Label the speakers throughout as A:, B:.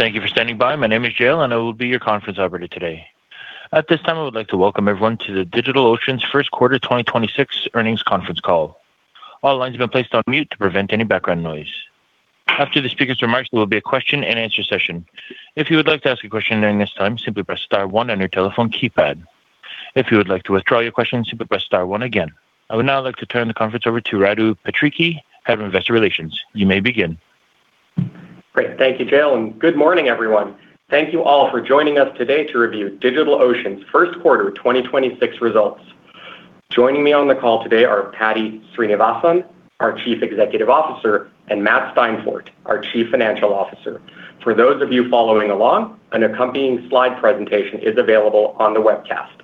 A: Thank you for standing by. My name is Jill, and I will be your conference operator today. At this time, I would like to welcome everyone to the DigitalOcean's first quarter 2026 earnings conference call. All lines have been placed on mute to prevent any background noise. After the speaker's remarks, there will be a question-and-answer session. If you would like to ask a question during this time, simply press star one on your telephone keypad. If you would like to withdraw your question, simply press star one again. I would now like to turn the conference over to Radu Patrichi, Head of Investor Relations. You may begin.
B: Great. Thank you, Jill, and good morning, everyone. Thank you all for joining us today to review DigitalOcean's first quarter 2026 results. Joining me on the call today are Paddy Srinivasan, our Chief Executive Officer, and Matt Steinfort, our Chief Financial Officer. For those of you following along, an accompanying slide presentation is available on the webcast.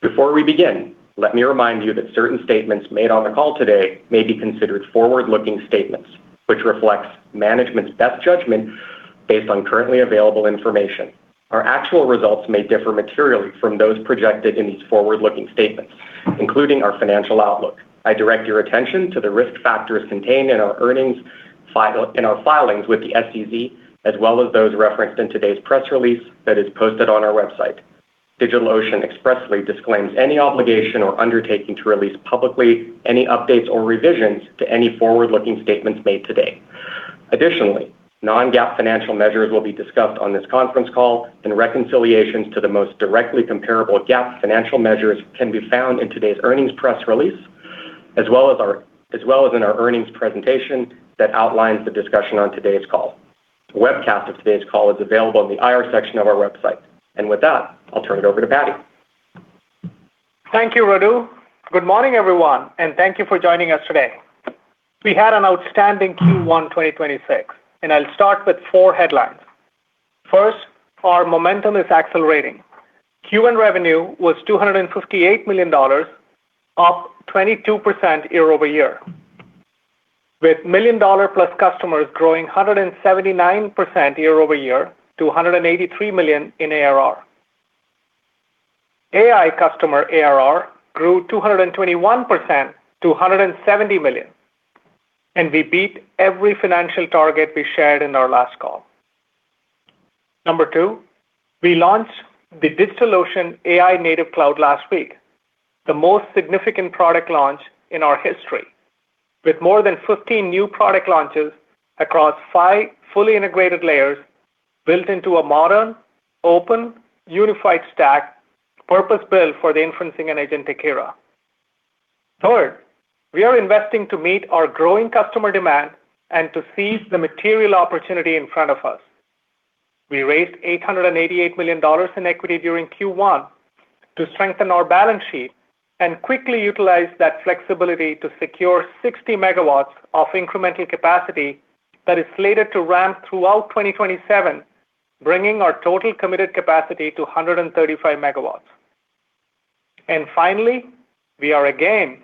B: Before we begin, let me remind you that certain statements made on the call today may be considered forward-looking statements, which reflects management's best judgment based on currently available information. Our actual results may differ materially from those projected in these forward-looking statements, including our financial outlook. I direct your attention to the risk factors contained in our filings with the SEC, as well as those referenced in today's press release that is posted on our website. DigitalOcean expressly disclaims any obligation or undertaking to release publicly any updates or revisions to any forward-looking statements made today. Non-GAAP financial measures will be discussed on this conference call, and reconciliations to the most directly comparable GAAP financial measures can be found in today's earnings press release, as well as in our earnings presentation that outlines the discussion on today's call. The webcast of today's call is available on the IR section of our website. I'll turn it over to Paddy.
C: Thank you, Radu. Good morning, everyone, and thank you for joining us today. We had an outstanding Q1 2026. I'll start with four headlines. First, our momentum is accelerating. Q1 revenue was $258 million, up 22% year-over-year, with +$1 million customers growing 179% year-over-year to $183 million in ARR. AI customer ARR grew 221% to $170 million. We beat every financial target we shared in our last call. Number two, we launched the DigitalOcean AI-Native Cloud last week, the most significant product launch in our history, with more than 15 new product launches across five fully integrated layers built into a modern, open, unified stack purpose-built for the inferencing and agentic era. Third, we are investing to meet our growing customer demand and to seize the material opportunity in front of us. We raised $888 million in equity during Q1 to strengthen our balance sheet and quickly utilized that flexibility to secure 60 MW of incremental capacity that is slated to ramp throughout 2027, bringing our total committed capacity to 135 MW. Finally, we are again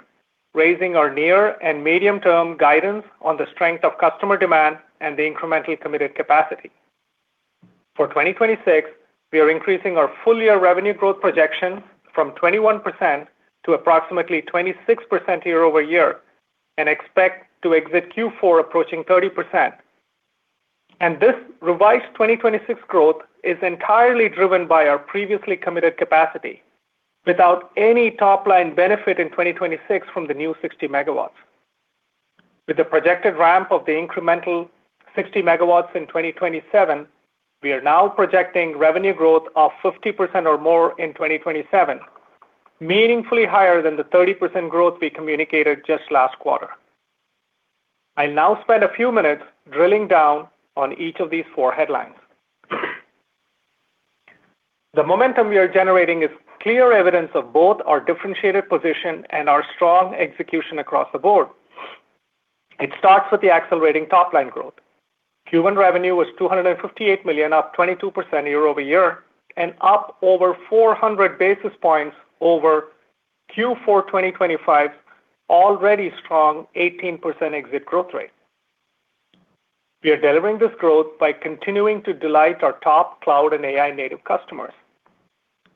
C: raising our near and medium-term guidance on the strength of customer demand and the incrementally committed capacity. For 2026, we are increasing our full-year revenue growth projection from 21% to approximately 26% year-over-year and expect to exit Q4 approaching 30%. This revised 2026 growth is entirely driven by our previously committed capacity without any top-line benefit in 2026 from the new 60 MW. With the projected ramp of the incremental 60 MW in 2027, we are now projecting revenue growth of 50% or more in 2027, meaningfully higher than the 30% growth we communicated just last quarter. I'll now spend a few minutes drilling down on each of these four headlines. The momentum we are generating is clear evidence of both our differentiated position and our strong execution across the board. It starts with the accelerating top-line growth. Q1 revenue was $258 million, up 22% year-over-year and up over 400 basis points over Q4 2025's already strong 18% exit growth rate. We are delivering this growth by continuing to delight our top cloud and AI-native customers.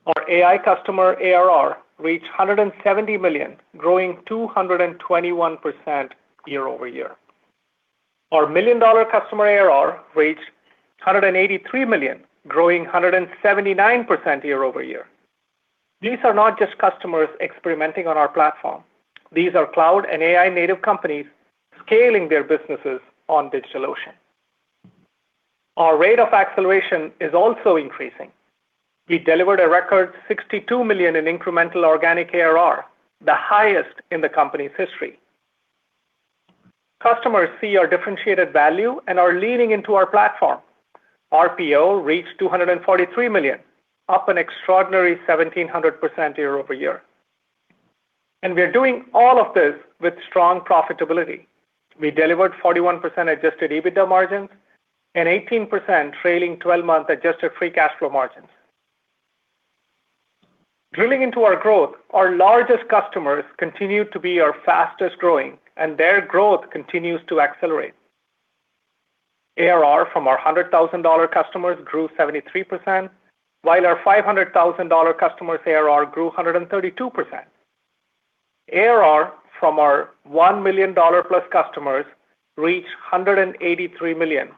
C: Our AI customer ARR reached $170 million, growing 221% year-over-year. Our million-dollar customer ARR reached $183 million, growing 179% year-over-year. These are not just customers experimenting on our platform. These are cloud and AI native companies scaling their businesses on DigitalOcean. Our rate of acceleration is also increasing. We delivered a record $62 million in incremental organic ARR, the highest in the company's history. Customers see our differentiated value and are leaning into our platform. RPO reached $243 million, up an extraordinary 1,700% year-over-year. We are doing all of this with strong profitability. We delivered 41% adjusted EBITDA margins and 18% trailing twelve-month adjusted free cash flow margins. Drilling into our growth, our largest customers continue to be our fastest-growing, and their growth continues to accelerate. ARR from our $100,000 customers grew 73%, while our $500,000 customers' ARR grew 132%. ARR from our $1 million-plus customers reached $183 million,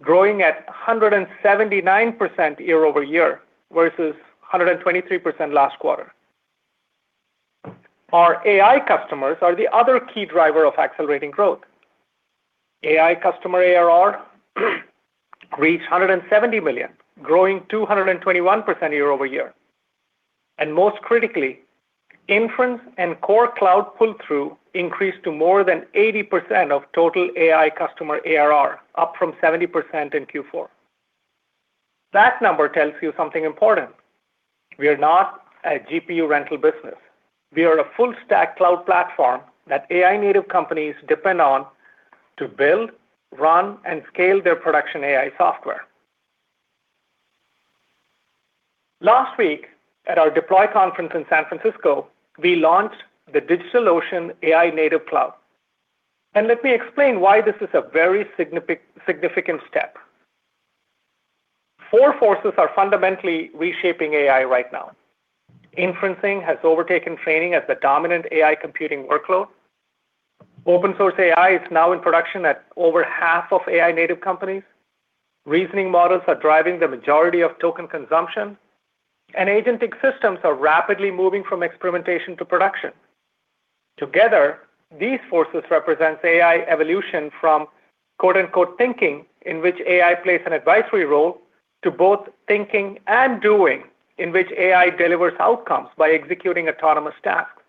C: growing at a 179% year-over-year versus 123% last quarter. Our AI customers are the other key driver of accelerating growth. AI customer ARR reached $170 million, growing 221% year-over-year. Most critically, inference and core cloud pull-through increased to more than 80% of total AI customer ARR, up from 70% in Q4. That number tells you something important. We are not a GPU rental business. We are a full stack cloud platform that AI native companies depend on to build, run, and scale their production AI software. Last week, at our Deploy conference in San Francisco, we launched the DigitalOcean AI-Native Cloud. Let me explain why this is a very significant step. Four forces are fundamentally reshaping AI right now. Inferencing has overtaken training as the dominant AI computing workload. Open-source AI is now in production at over half of AI-native companies. Reasoning models are driving the majority of token consumption. Agentic systems are rapidly moving from experimentation to production. Together, these forces represents AI evolution from quote, unquote, "thinking" in which AI plays an advisory role to both thinking and doing, in which AI delivers outcomes by executing autonomous tasks.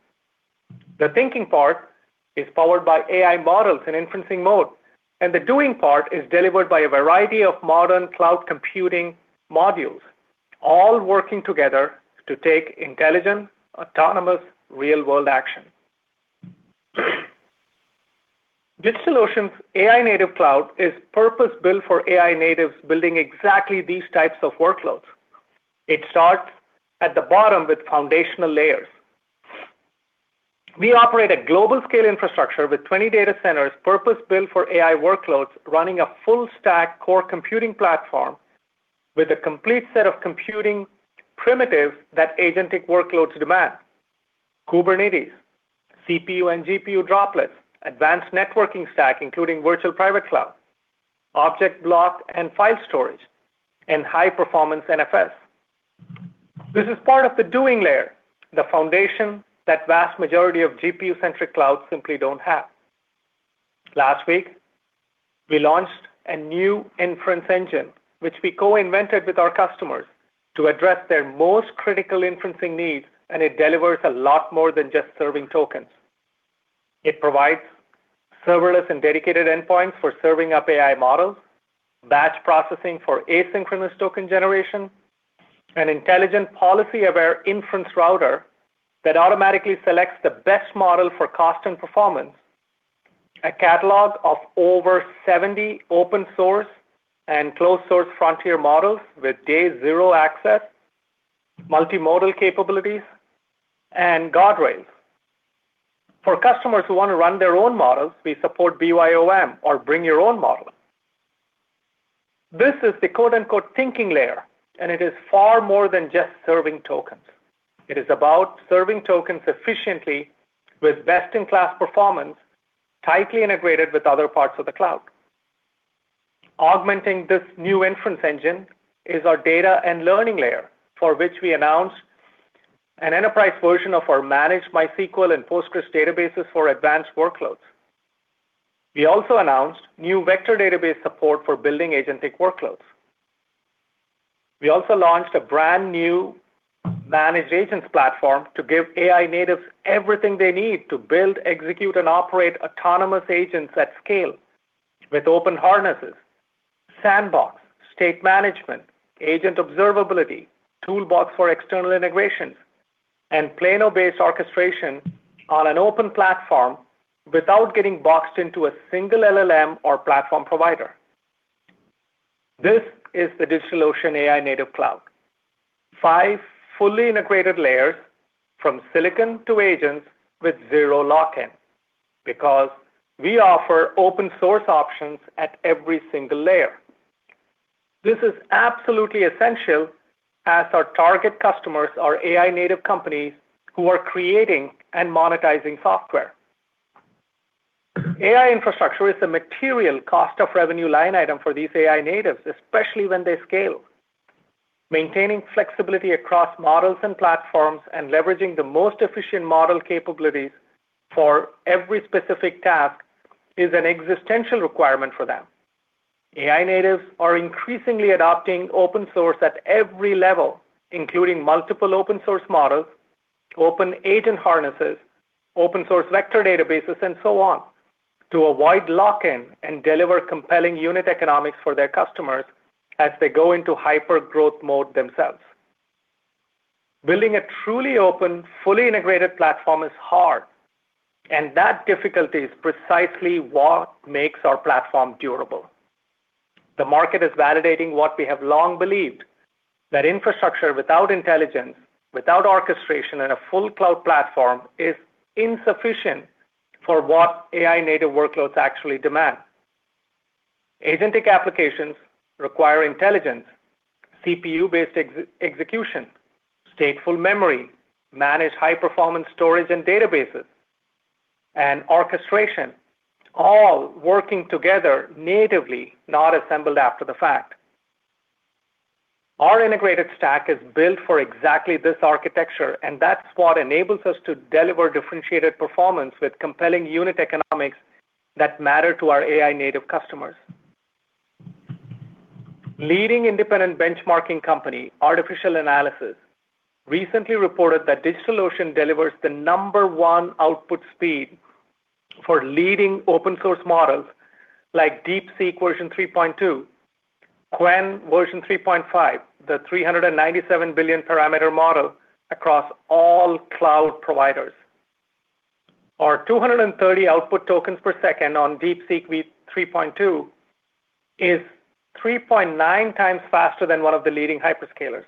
C: The thinking part is powered by AI models in inferencing mode, and the doing part is delivered by a variety of modern cloud computing modules, all working together to take intelligent, autonomous, real-world action. DigitalOcean AI-Native Cloud is purpose-built for AI natives building exactly these types of workloads. It starts at the bottom with foundational layers. We operate a global scale infrastructure with 20 data centers purpose-built for AI workloads, running a full stack core computing platform with a complete set of computing primitives that agentic workloads demand. Kubernetes, CPU and GPU Droplets, advanced networking stack, including virtual private cloud, object block and file storage, and high-performance NFS. This is part of the doing layer, the foundation that vast majority of GPU-centric clouds simply don't have. Last week, we launched a new inference engine, which we co-invented with our customers to address their most critical inferencing needs, it delivers a lot more than just serving tokens. It provides serverless and dedicated endpoints for serving up AI models, batch processing for asynchronous token generation, an intelligent policy-aware inference router that automatically selects the best model for cost and performance, a catalog of over 70 open source and closed source frontier models with day zero access, multimodal capabilities, and guardrails. For customers who want to run their own models, we support BYOM, or bring your own model. This is the quote, unquote, "thinking layer", and it is far more than just serving tokens. It is about serving tokens efficiently with best-in-class performance, tightly integrated with other parts of the cloud. Augmenting this new inference engine is our data and learning layer, for which we announced an enterprise version of our managed MySQL and PostgreSQL databases for advanced workloads. We also announced new vector database support for building agentic workloads. We also launched a brand-new managed agents platform to give AI natives everything they need to build, execute, and operate autonomous agents at scale with open harnesses, sandbox, state management, agent observability, toolbox for external integrations, and Plano data plane-based orchestration on an open platform without getting boxed into a single LLM or platform provider. This is the DigitalOcean AI-Native Cloud. Five fully integrated layers from silicon to agents with zero lock-in, because we offer open source options at every single layer. This is absolutely essential as our target customers are AI native companies who are creating and monetizing software. AI infrastructure is a material cost of revenue line item for these AI natives, especially when they scale. Maintaining flexibility across models and platforms and leveraging the most efficient model capabilities for every specific task is an existential requirement for them. AI natives are increasingly adopting open source at every level, including multiple open source models, open agent harnesses, open source vector databases, and so on, to avoid lock-in and deliver compelling unit economics for their customers as they go into hypergrowth mode themselves. Building a truly open, fully integrated platform is hard. That difficulty is precisely what makes our platform durable. The market is validating what we have long believed, that infrastructure without intelligence, without orchestration in a full cloud platform is insufficient for what AI native workloads actually demand. Agentic applications require intelligence, CPU-based execution, stateful memory, managed high-performance storage and databases, and orchestration, all working together natively, not assembled after the fact. Our integrated stack is built for exactly this architecture. That's what enables us to deliver differentiated performance with compelling unit economics that matter to our AI native customers. Leading independent benchmarking company, Artificial Analysis, recently reported that DigitalOcean delivers the number one output speed for leading open source models like DeepSeek V3.2, Qwen3.5, the 397 billion parameter model across all cloud providers. Our 230 output tokens per second on DeepSeek V3.2 is 3.9x faster than one of the leading hyperscalers.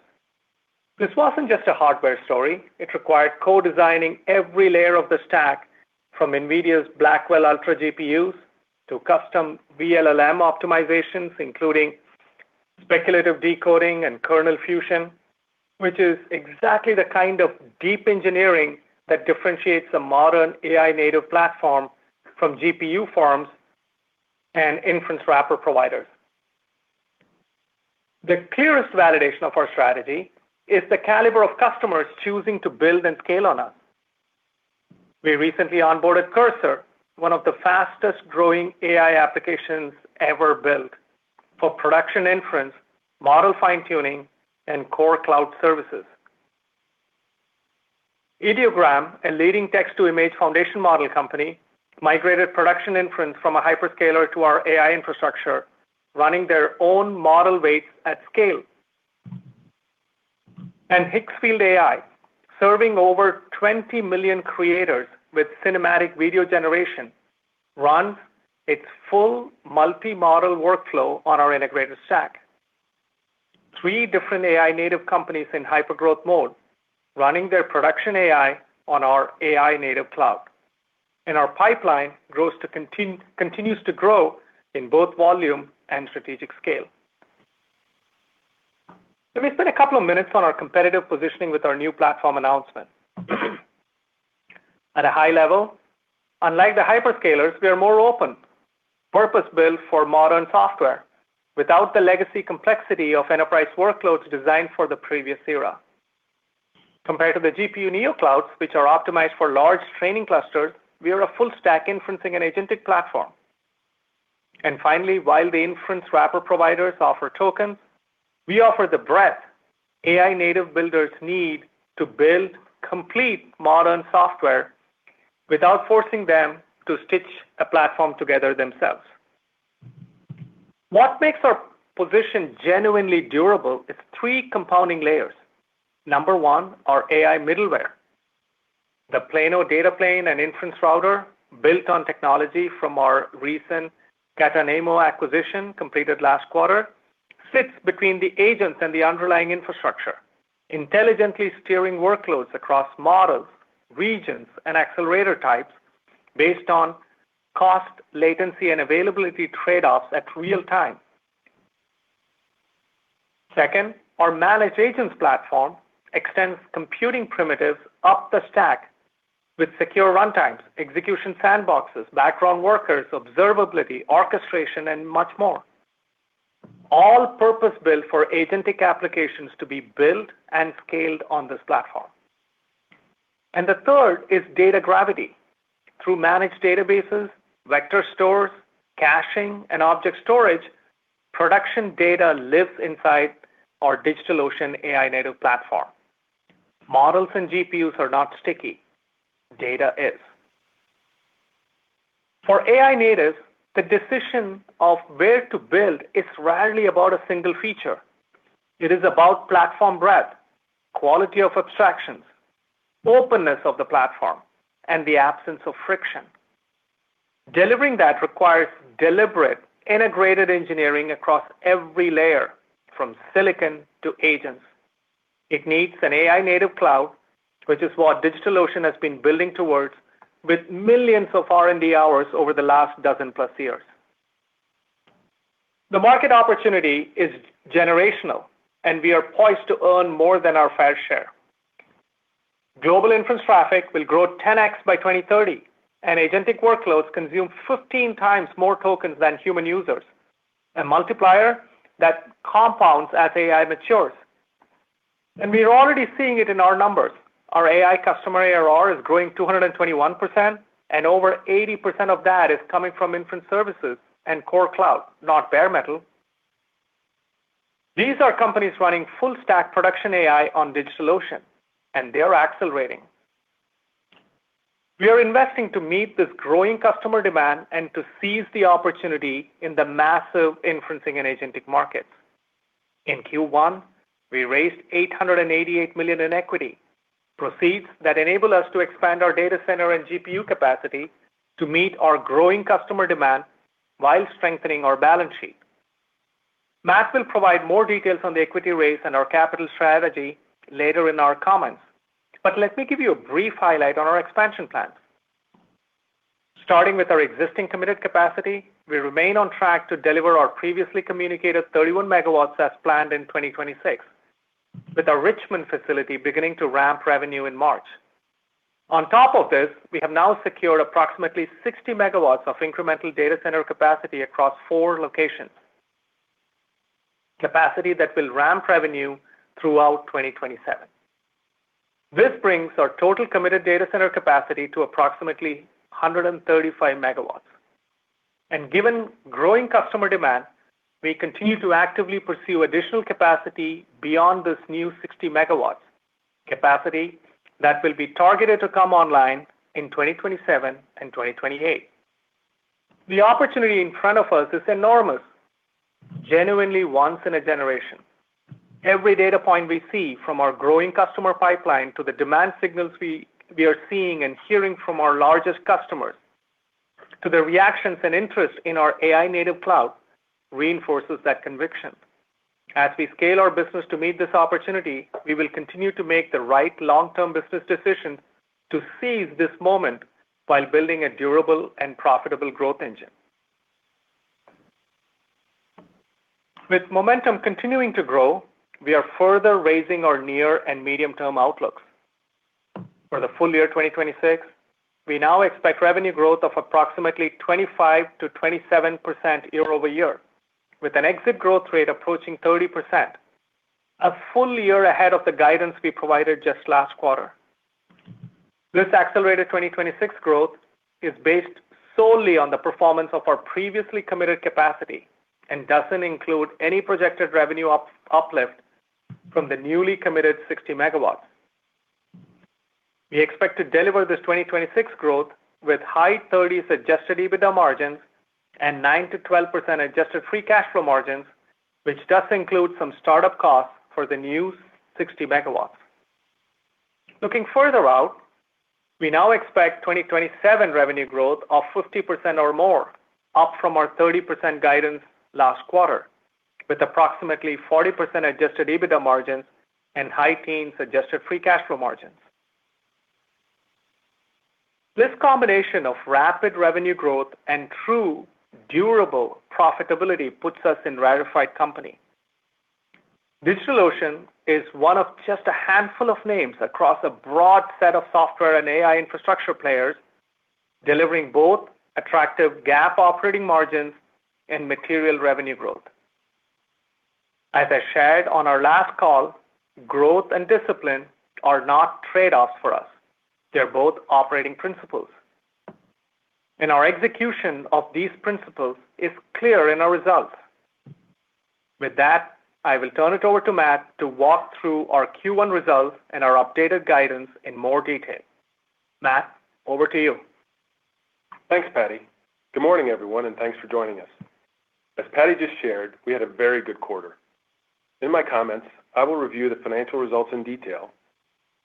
C: This wasn't just a hardware story. It required co-designing every layer of the stack from NVIDIA's Blackwell Ultra GPUs to custom vLLM optimizations, including speculative decoding and kernel fusion, which is exactly the kind of deep engineering that differentiates a modern AI-native platform from GPU firms and inference wrapper providers. The clearest validation of our strategy is the caliber of customers choosing to build and scale on us. We recently onboarded Cursor, one of the fastest-growing AI applications ever built for production inference, model fine-tuning, and core cloud services. Ideogram, a leading text-to-image foundation model company, migrated production inference from a hyperscaler to our AI infrastructure, running their own model weights at scale. Hailo AI, serving over 20 million creators with cinematic video generation, runs its full multi-model workflow on our integrated stack. Three different AI native companies in hypergrowth mode running their production AI on our AI-Native Cloud. Our pipeline continues to grow in both volume and strategic scale. Let me spend a couple of minutes on our competitive positioning with our new platform announcement. At a high level, unlike the hyperscalers, we are more open, purpose-built for modern software without the legacy complexity of enterprise workloads designed for the previous era. Compared to the GPU Neoclouds, which are optimized for large training clusters, we are a full stack inferencing and agentic platform. Finally, while the inference wrapper providers offer tokens, we offer the breadth AI native builders need to build complete modern software without forcing them to stitch a platform together themselves. What makes our position genuinely durable is three compounding layers. Number one, our AI middleware. The Plano data plane and inference router, built on technology from our recent Katanemo acquisition completed last quarter, sits between the agents and the underlying infrastructure, intelligently steering workloads across models, regions, and accelerator types based on cost, latency, and availability trade-offs at real-time. Second, our managed agents platform extends computing primitives up the stack with secure runtimes, execution sandboxes, background workers, observability, orchestration, and much more. All purpose-built for agentic applications to be built and scaled on this platform. The third is data gravity. Through managed databases, vector stores, caching, and object storage, production data lives inside our DigitalOcean AI-Native platform. Models and GPUs are not sticky. Data is. For AI natives, the decision of where to build is rarely about a single feature. It is about platform breadth, quality of abstractions, openness of the platform, and the absence of friction. Delivering that requires deliberate integrated engineering across every layer, from silicon to agents. It needs an AI-Native Cloud, which is what DigitalOcean has been building towards with millions of R&D hours over the last dozen plus years. The market opportunity is generational, and we are poised to earn more than our fair share. Global inference traffic will grow 10x by 2030, and agentic workloads consume 15 times more tokens than human users. A multiplier that compounds as AI matures. We are already seeing it in our numbers. Our AI customer ARR is growing 221%, and over 80% of that is coming from inference services and core cloud, not bare metal. These are companies running full stack production AI on DigitalOcean, and they are accelerating. We are investing to meet this growing customer demand and to seize the opportunity in the massive inferencing and agentic markets. In Q1, we raised $888 million in equity, proceeds that enable us to expand our data center and GPU capacity to meet our growing customer demand while strengthening our balance sheet. Matt will provide more details on the equity raise and our capital strategy later in our comments. Let me give you a brief highlight on our expansion plans. Starting with our existing committed capacity, we remain on track to deliver our previously communicated 31 MW as planned in 2026, with our Richmond facility beginning to ramp revenue in March. On top of this, we have now secured approximately 60 MW of incremental data center capacity across four locations. Capacity that will ramp revenue throughout 2027. This brings our total committed data center capacity to approximately 135 MW. Given growing customer demand, we continue to actively pursue additional capacity beyond this new 60 MW. Capacity that will be targeted to come online in 2027 and 2028. The opportunity in front of us is enormous, genuinely once in a generation. Every data point we see from our growing customer pipeline to the demand signals we are seeing and hearing from our largest customers, to the reactions and interest in our DigitalOcean AI-Native Cloud reinforces that conviction. As we scale our business to meet this opportunity, we will continue to make the right long-term business decisions to seize this moment while building a durable and profitable growth engine. With momentum continuing to grow, we are further raising our near and medium-term outlooks. For the full year 2026, we now expect revenue growth of approximately 25%-27% year-over-year, with an exit growth rate approaching 30%. A full year ahead of the guidance we provided just last quarter. This accelerated 2026 growth is based solely on the performance of our previously committed capacity and doesn't include any projected revenue uplift from the newly committed 60 MW. We expect to deliver this 2026 growth with high thirties adjusted EBITDA margins and 9%-12% adjusted free cash flow margins, which does include some start-up costs for the new 60 MW. Looking further out, we now expect 2027 revenue growth of 50% or more, up from our 30% guidance last quarter, with approximately 40% adjusted EBITDA margins and high teen adjusted free cash flow margins. This combination of rapid revenue growth and true durable profitability puts us in rarefied company. DigitalOcean is one of just a handful of names across a broad set of software and AI infrastructure players delivering both attractive GAAP operating margins and material revenue growth. As I shared on our last call, growth and discipline are not trade-offs for us. They're both operating principles. Our execution of these principles is clear in our results. With that, I will turn it over to Matt to walk through our Q1 results and our updated guidance in more detail. Matt, over to you.
D: Thanks, Paddy. Good morning, everyone, thanks for joining us. As Paddy just shared, we had a very good quarter. In my comments, I will review the financial results in detail,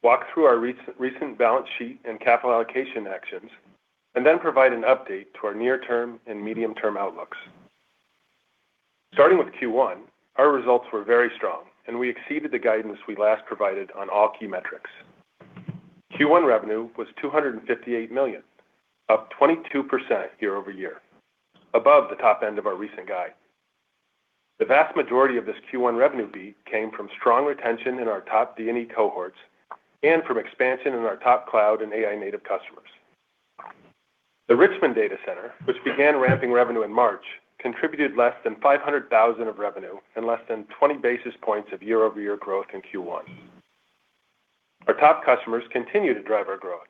D: walk through our recent balance sheet and capital allocation actions, then provide an update to our near term and medium term outlooks. Starting with Q1, our results were very strong, we exceeded the guidance we last provided on all key metrics. Q1 revenue was $258 million, up 22% year-over-year, above the top end of our recent guide. The vast majority of this Q1 revenue beat came from strong retention in our top D&E cohorts and from expansion in our top cloud and AI native customers. The Richmond Data Center, which began ramping revenue in March, contributed less than $500,000 of revenue and less than 20 basis points of year-over-year growth in Q1. Our top customers continue to drive our growth.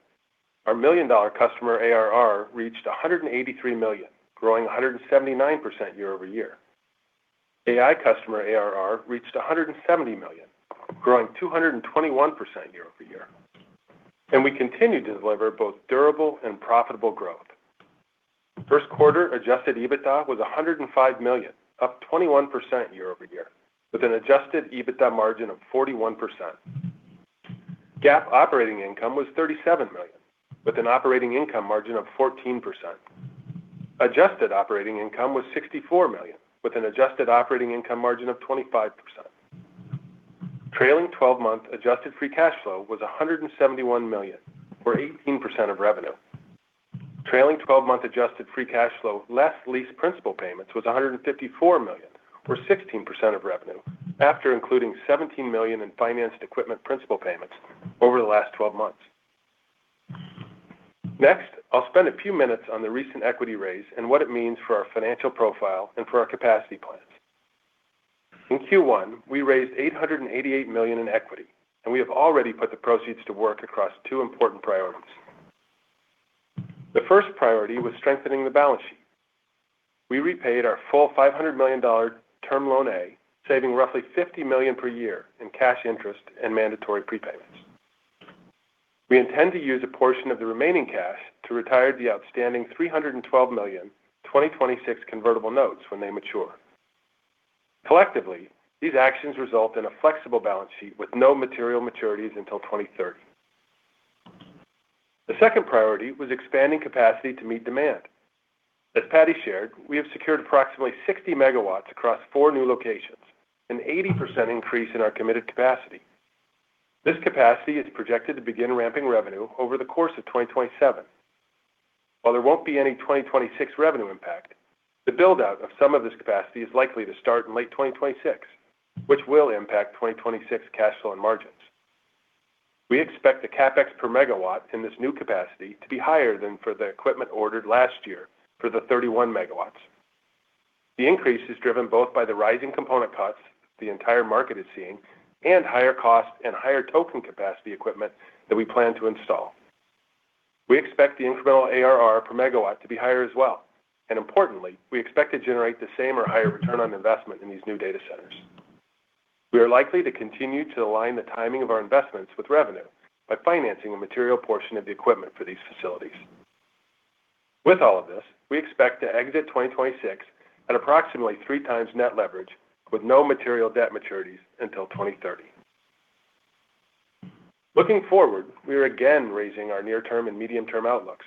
D: Our million-dollar customer ARR reached $183 million, growing 179% year-over-year. AI customer ARR reached $170 million, growing 221% year-over-year. We continue to deliver both durable and profitable growth. First quarter adjusted EBITDA was $105 million, up 21% year-over-year, with an adjusted EBITDA margin of 41%. GAAP operating income was $37 million, with an operating income margin of 14%. Adjusted operating income was $64 million, with an adjusted operating income margin of 25%. Trailing twelve-month adjusted free cash flow was $171 million or 18% of revenue. Trailing twelve-month adjusted free cash flow less lease principal payments was $154 million or 16% of revenue after including $17 million in financed equipment principal payments over the last twelve months. Next, I'll spend a few minutes on the recent equity raise and what it means for our financial profile and for our capacity plans. In Q1, we raised $888 million in equity, and we have already put the proceeds to work across two important priorities. The first priority was strengthening the balance sheet. We repaid our full $500 million Term Loan A, saving roughly $50 million per year in cash interest and mandatory prepayments. We intend to use a portion of the remaining cash to retire the outstanding $312 million 2026 convertible notes when they mature. Collectively, these actions result in a flexible balance sheet with no material maturities until 2030. The second priority was expanding capacity to meet demand. As Paddy shared, we have secured approximately 60 MW across four new locations, an 80% increase in our committed capacity. This capacity is projected to begin ramping revenue over the course of 2027. While there won't be any 2026 revenue impact, the build-out of some of this capacity is likely to start in late 2026, which will impact 2026 cash flow and margins. We expect the CapEx per MW in this new capacity to be higher than for the equipment ordered last year for the 31 MW. The increase is driven both by the rising component costs the entire market is seeing and higher cost and higher token capacity equipment that we plan to install. We expect the incremental ARR per megawatt to be higher as well, and importantly, we expect to generate the same or higher return on investment in these new data centers. We are likely to continue to align the timing of our investments with revenue by financing a material portion of the equipment for these facilities. With all of this, we expect to exit 2026 at approximately 3 times net leverage with no material debt maturities until 2030. Looking forward, we are again raising our near term and medium term outlooks.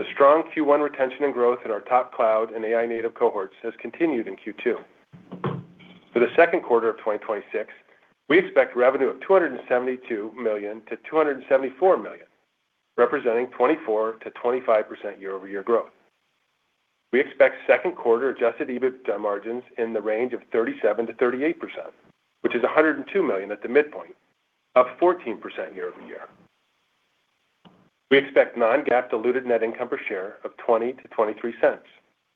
D: The strong Q1 retention and growth in our top cloud and AI-native cohorts has continued in Q2. For the second quarter of 2026, we expect revenue of $272 million-$274 million, representing 24%-25% year-over-year growth. We expect second quarter adjusted EBITDA margins in the range of 37%-38%, which is $102 million at the midpoint, up 14% year-over-year. We expect non-GAAP diluted net income per share of $0.20-$0.23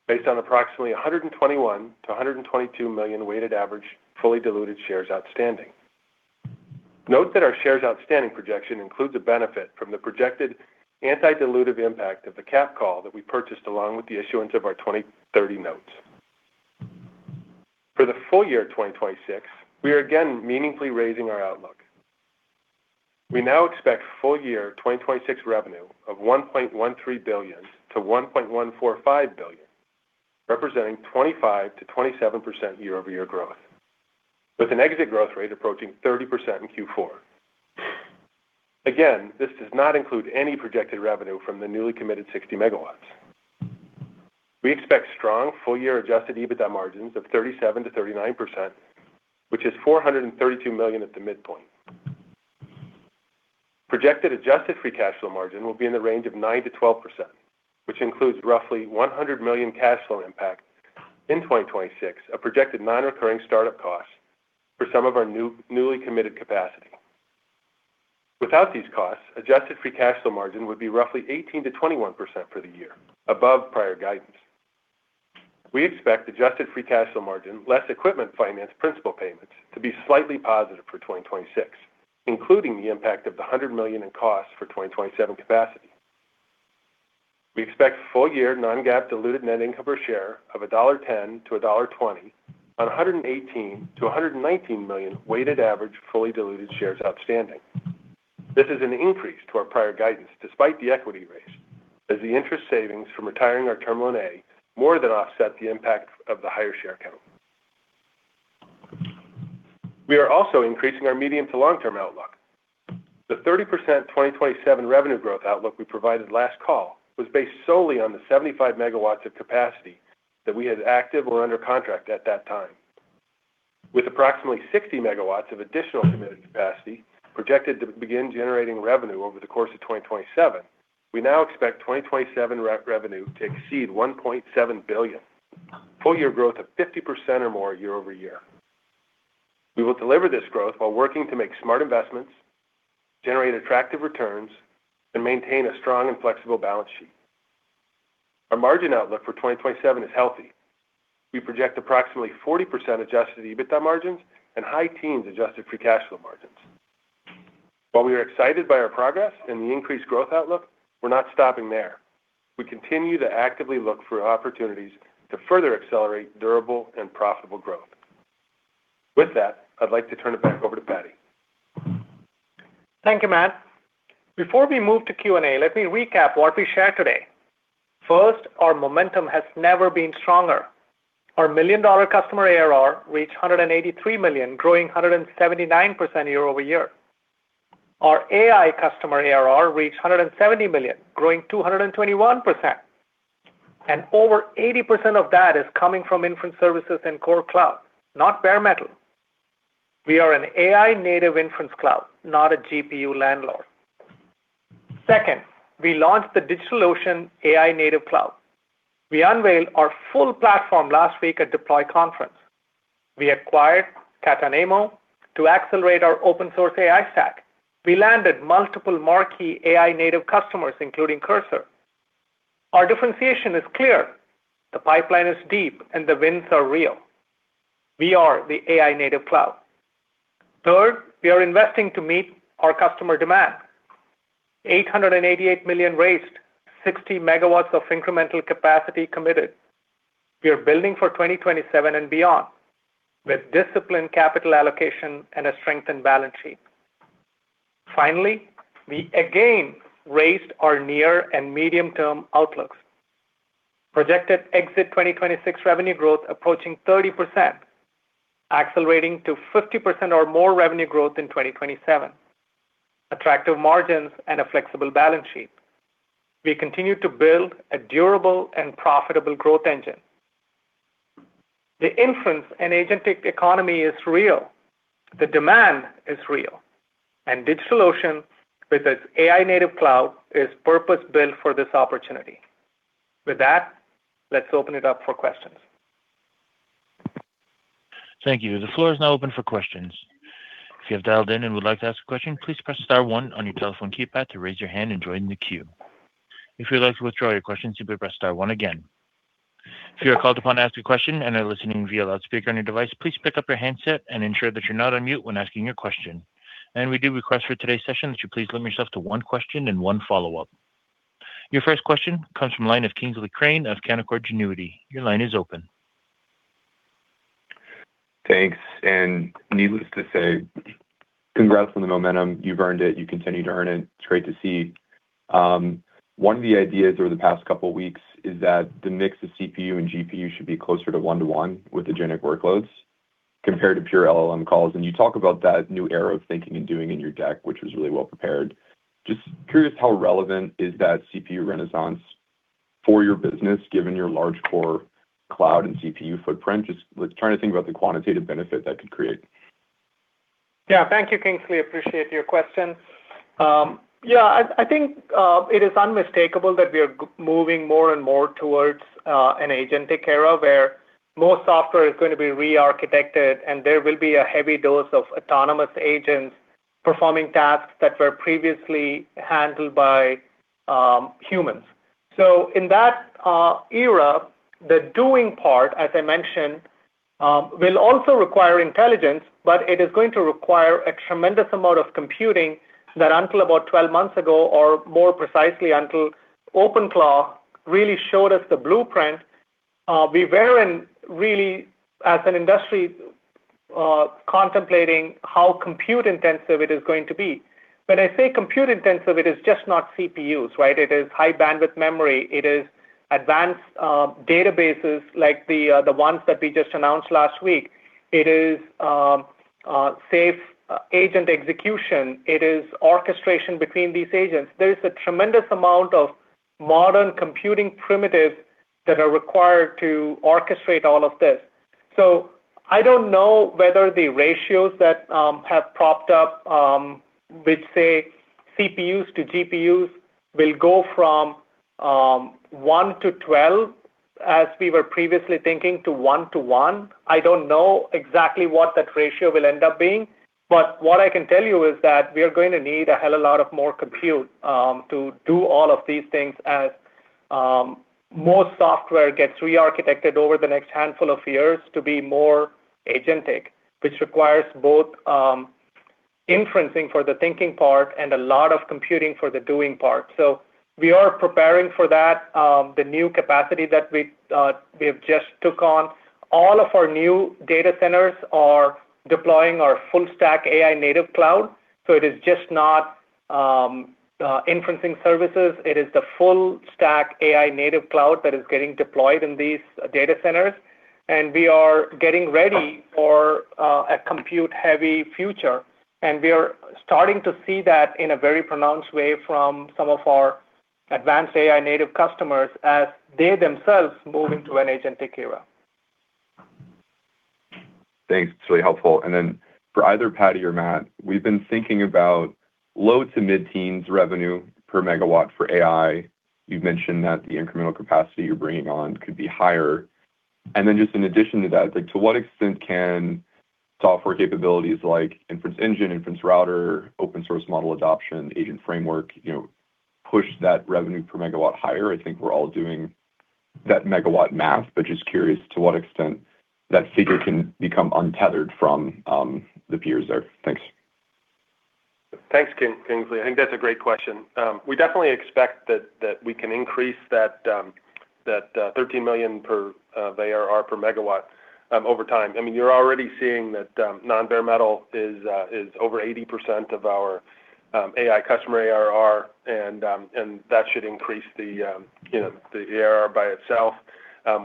D: based on approximately 121 million-122 million weighted average fully diluted shares outstanding. Note that our shares outstanding projection includes a benefit from the projected anti-dilutive impact of the capped call that we purchased along with the issuance of our 2030 notes. For the full year 2026, we are again meaningfully raising our outlook. We now expect full year 2026 revenue of $1.13 billion-$1.145 billion, representing 25%-27% year-over-year growth with an exit growth rate approaching 30% in Q4. This does not include any projected revenue from the newly committed 60 megawatts. We expect strong full year adjusted EBITDA margins of 37%-39%, which is $432 million at the midpoint. Projected adjusted free cash flow margin will be in the range of 9%-12%, which includes roughly $100 million cash flow impact in 2026, a projected non-recurring start-up cost for some of our newly committed capacity. Without these costs, adjusted free cash flow margin would be roughly 18%-21% for the year, above prior guidance. We expect adjusted free cash flow margin, less equipment finance principal payments, to be slightly positive for 2026, including the impact of the $100 million in costs for 2027 capacity. We expect full year non-GAAP diluted net income per share of $1.10-$1.20 on 118 million-119 million weighted average fully diluted shares outstanding. This is an increase to our prior guidance despite the equity raise as the interest savings from retiring our Term Loan A more than offset the impact of the higher share count. We are also increasing our medium to long-term outlook. The 30% 2027 revenue growth outlook we provided last call was based solely on the 75 MW of capacity that we had active or under contract at that time. With approximately 60 MW of additional committed capacity projected to begin generating revenue over the course of 2027, we now expect 2027 revenue to exceed $1.7 billion, full year growth of 50% or more year-over-year. We will deliver this growth while working to make smart investments, generate attractive returns, and maintain a strong and flexible balance sheet. Our margin outlook for 2027 is healthy. We project approximately 40% adjusted EBITDA margins and high teens adjusted free cash flow margins. While we are excited by our progress and the increased growth outlook, we're not stopping there. We continue to actively look for opportunities to further accelerate durable and profitable growth. With that, I'd like to turn it back over to Paddy.
C: Thank you, Matt. Before we move to Q&A, let me recap what we shared today. First, our momentum has never been stronger. Our million-dollar customer ARR reached $183 million, growing 179% year-over-year. Our AI customer ARR reached $170 million, growing 221%. Over 80% of that is coming from inference services and core cloud, not bare metal. We are an AI-native inference cloud, not a GPU landlord. Second, we launched the DigitalOcean AI-Native Cloud. We unveiled our full platform last week at Deploy Conference. We acquired Katanemo to accelerate our open-source AI stack. We landed multiple marquee AI-native customers, including Cursor. Our differentiation is clear. The pipeline is deep and the wins are real. We are the AI-native cloud. Third, we are investing to meet our customer demand. $888 million raised, 60 MW of incremental capacity committed. We are building for 2027 and beyond with disciplined capital allocation and a strengthened balance sheet. Finally, we again raised our near and medium term outlooks: projected exit 2026 revenue growth approaching 30%, accelerating to 50% or more revenue growth in 2027, with attractive margins and a flexible balance sheet. We continue to build a durable and profitable growth engine. The inference and agentic economy is real. The demand is real. DigitalOcean, with its AI-Native Cloud, is purpose-built for this opportunity. With that, let's open it up for questions.
A: Thank you. The floor is now open for questions. If you have dial and would like to ask question please press star one on your telephone keypad to raise your hand and join the queue. If you would like to withdraw your question simply press star one again. If you are called to ask a question and you are in a listen only view please pick up the handset when you are asking for a question. And ensure you are not on mute when asking a question. We do request for today's session that you please limit yourself to one question and one follow-up. Your first question comes from line of Kingsley Crane of Canaccord Genuity.
E: Thanks. Needless to say, congrats on the momentum. You've earned it. You continue to earn it. It's great to see. One of the ideas over the past couple weeks is that the mix of CPU and GPU should be closer to 1-1 with agentic workloads compared to pure LLM calls. You talk about that new era of thinking and doing in your deck, which was really well prepared. Curious how relevant is that CPU renaissance for your business, given your large core cloud and CPU footprint. Trying to think about the quantitative benefit that could create.
C: Thank you, Kingsley. Appreciate your question. I think it is unmistakable that we are moving more and more towards an agentic era where more software is going to be rearchitected, and there will be a heavy dose of autonomous agents performing tasks that were previously handled by humans. In that era, the doing part, as I mentioned, will also require intelligence, but it is going to require a tremendous amount of computing that until about 12 months ago, or more precisely until OpenClaw really showed us the blueprint, we weren't really as an industry contemplating how compute-intensive it is going to be. When I say compute-intensive, it is just not CPUs, right? It is high bandwidth memory. It is advanced databases like the ones that we just announced last week. It is safe agent execution. It is orchestration between these agents. There is a tremendous amount of modern computing primitives that are required to orchestrate all of this. I don't know whether the ratios that have propped up, which say CPUs to GPUs will go from 1-12, as we were previously thinking, to 1-1. I don't know exactly what that ratio will end up being. What I can tell you is that we are going to need a hell of a lot of more compute to do all of these things as more software gets rearchitected over the next handful of years to be more agentic, which requires both inferencing for the thinking part and a lot of computing for the doing part. We are preparing for that. The new capacity that we've just took on. All of our new data centers are deploying our full stack AI-Native Cloud. It is just not inference services. It is the full stack AI-Native Cloud that is getting deployed in these data centers. We are getting ready for a compute-heavy future. We are starting to see that in a very pronounced way from some of our advanced AI-native customers as they themselves move into an agentic era.
E: Thanks. It's really helpful. For either Paddy or Matt, we've been thinking about low to mid-teens revenue per megawatt for AI. You've mentioned that the incremental capacity you're bringing on could be higher. Just in addition to that, like, to what extent can software capabilities like inference engine, inference router, open source model adoption, agent framework, you know, push that revenue per megawatt higher? I think we're all doing that megawatt math, but just curious to what extent that figure can become untethered from the peers there. Thanks.
D: Thanks, Kingsley. I think that's a great question. We definitely expect that we can increase that 13 million per ARR per megawatt over time. I mean, you're already seeing that non-bare metal is over 80% of our AI customer ARR, and that should increase the, you know, the ARR by itself.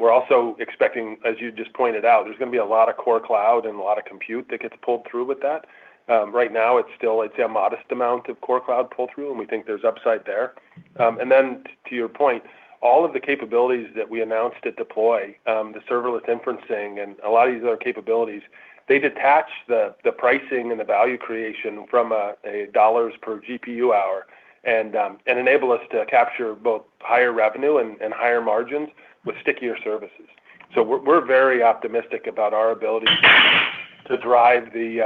D: We're also expecting, as you just pointed out, there's gonna be a lot of core cloud and a lot of compute that gets pulled through with that. Right now it's still, I'd say, a modest amount of core cloud pull-through, and we think there's upside there. To your point, all of the capabilities that we announced at Deploy, the serverless inferencing and a lot of these other capabilities, they detach the pricing and the value creation from a dollars per GPU hour and enable us to capture both higher revenue and higher margins with stickier services. We're very optimistic about our ability to drive the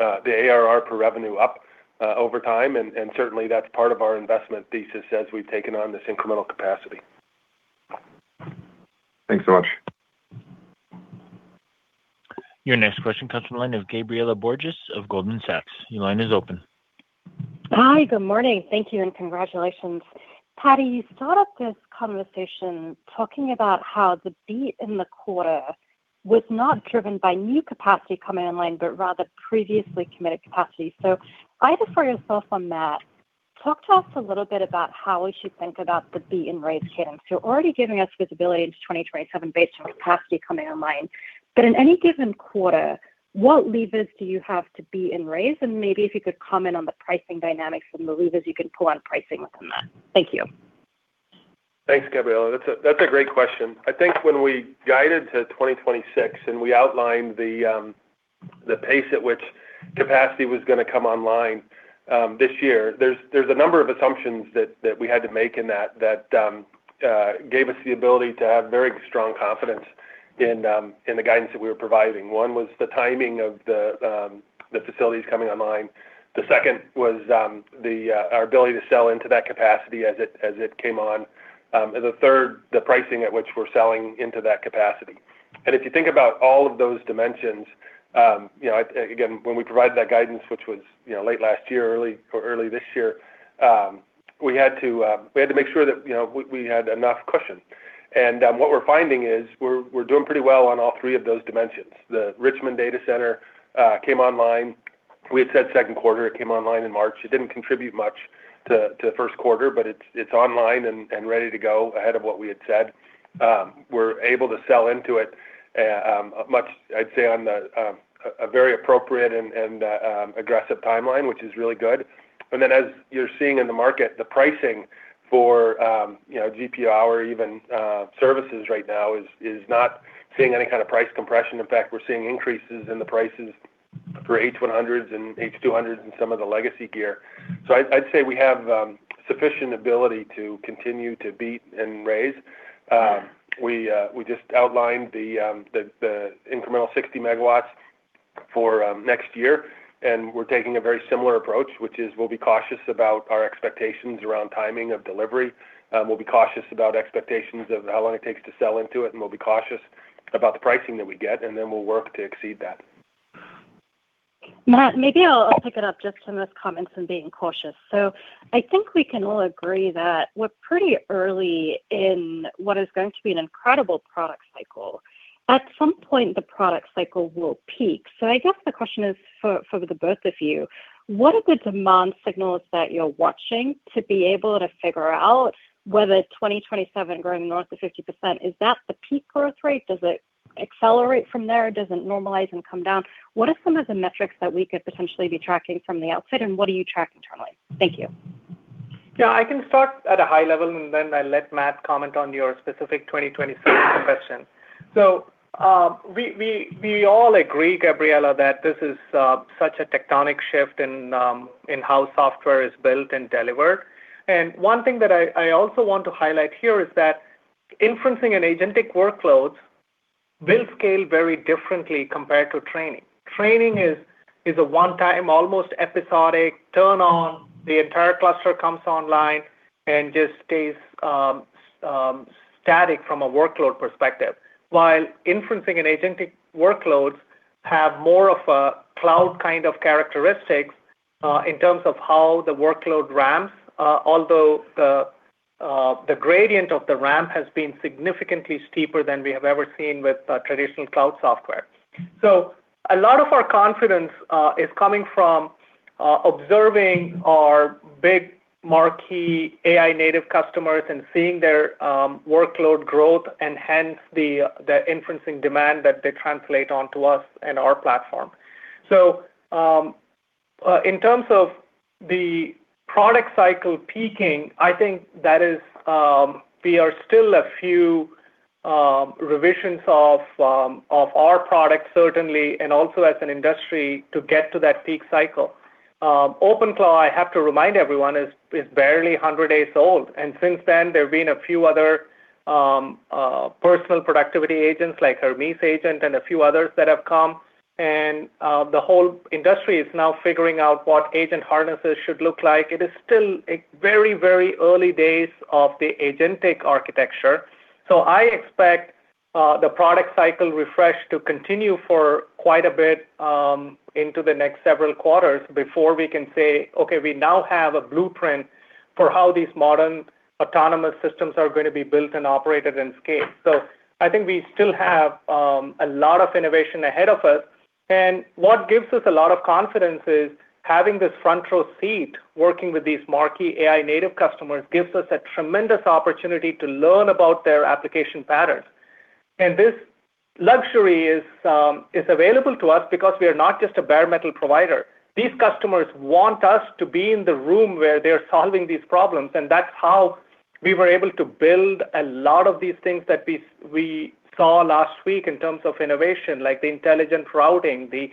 D: ARR per revenue up over time. Certainly that's part of our investment thesis as we've taken on this incremental capacity.
E: Thanks so much.
A: Your next question comes from the line of Gabriela Borges of Goldman Sachs. Your line is open.
F: Hi. Good morning. Thank you and congratulations. Paddy, you start up this conversation talking about how the beat in the quarter was not driven by new capacity coming online, but rather previously committed capacity. Either for yourself on that, talk to us a little bit about how we should think about the beat and raise cadence. You're already giving us visibility into 2027 based on capacity coming online. In any given quarter, what levers do you have to beat and raise? Maybe if you could comment on the pricing dynamics and the levers you can pull on pricing within that. Thank you.
D: Thanks, Gabriela. That's a great question. I think when we guided to 2026, and we outlined the pace at which capacity was gonna come online this year, there's a number of assumptions that we had to make in that gave us the ability to have very strong confidence in the guidance that we were providing. One was the timing of the facilities coming online. The second was our ability to sell into that capacity as it came on. The third, the pricing at which we're selling into that capacity. If you think about all of those dimensions, you know, again, when we provided that guidance, which was, you know, late last year or early this year, we had to make sure that, you know, we had enough cushion. What we're finding is we're doing pretty well on all three of those dimensions. The Richmond data center came online. We had said second quarter. It came online in March. It didn't contribute much to the first quarter, but it's online and ready to go ahead of what we had said. We're able to sell into it much, I'd say, on the a very appropriate and aggressive timeline, which is really good. As you're seeing in the market, the pricing for, you know, GPU hour, even services right now is not seeing any kind of price compression. In fact, we're seeing increases in the prices for H100 and H200 and some of the legacy gear. I'd say we have sufficient ability to continue to beat and raise. We just outlined the incremental 60 MW for next year, and we're taking a very similar approach, which is we'll be cautious about our expectations around timing of delivery. We'll be cautious about expectations of how long it takes to sell into it, and we'll be cautious about the pricing that we get, and then we'll work to exceed that.
F: Matt, I'll pick it up just from those comments on being cautious. I think we can all agree that we're pretty early in what is going to be an incredible product cycle. At some point, the product cycle will peak. I guess the question is for the both of you, what are the demand signals that you're watching to be able to figure out whether 2027 growing north of 50%, is that the peak growth rate? Does it accelerate from there? Does it normalize and come down? What are some of the metrics that we could potentially be tracking from the outside, and what do you track internally? Thank you.
C: Yeah. I can start at a high level, and then I let Matt comment on your specific 2027 question. We all agree, Gabriela, that this is such a tectonic shift in how software is built and delivered. One thing that I also want to highlight here is that inferencing and agentic workloads will scale very differently compared to training. Training is a one-time, almost episodic turn on. The entire cluster comes online and just stays static from a workload perspective. While inferencing and agentic workloads have more of a cloud kind of characteristics in terms of how the workload ramps, although the gradient of the ramp has been significantly steeper than we have ever seen with traditional cloud software. A lot of our confidence is coming from observing our big marquee AI native customers and seeing their workload growth and hence the inferencing demand that they translate onto us and our platform. In terms of the product cycle peaking, I think that is we are still a few revisions of our product certainly, and also as an industry to get to that peak cycle. OpenCloud, I have to remind everyone, is barely 100 days old. Since then there have been a few other personal productivity agents like Hermes Agent and a few others that have come. The whole industry is now figuring out what agent harnesses should look like. It is still a very early days of the agentic architecture. I expect the product cycle refresh to continue for quite a bit into the next several quarters before we can say, "okay, we now have a blueprint for how these modern autonomous systems are gonna be built and operated and scaled." I think we still have a lot of innovation ahead of us. What gives us a lot of confidence is having this front row seat working with these marquee AI-native customers gives us a tremendous opportunity to learn about their application patterns. This luxury is available to us because we are not just a bare metal provider. These customers want us to be in the room where they're solving these problems. That's how we were able to build a lot of these things that we saw last week in terms of innovation, like the intelligent routing, the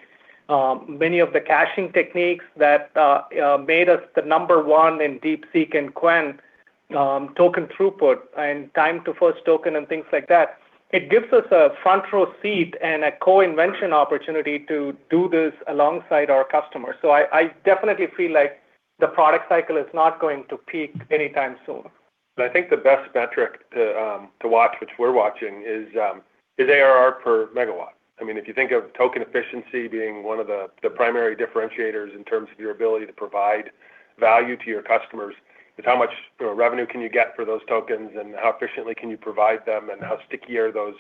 C: many of the caching techniques that made us the number one in DeepSeek and Qwen token throughput and time to first token and things like that. It gives us a front row seat and a co-invention opportunity to do this alongside our customers. I definitely feel like the product cycle is not going to peak anytime soon.
D: I think the best metric to watch, which we're watching, is ARR per megawatt. I mean, if you think of token efficiency being one of the primary differentiators in terms of your ability to provide value to your customers is how much revenue can you get for those tokens and how efficiently can you provide them and how sticky are those,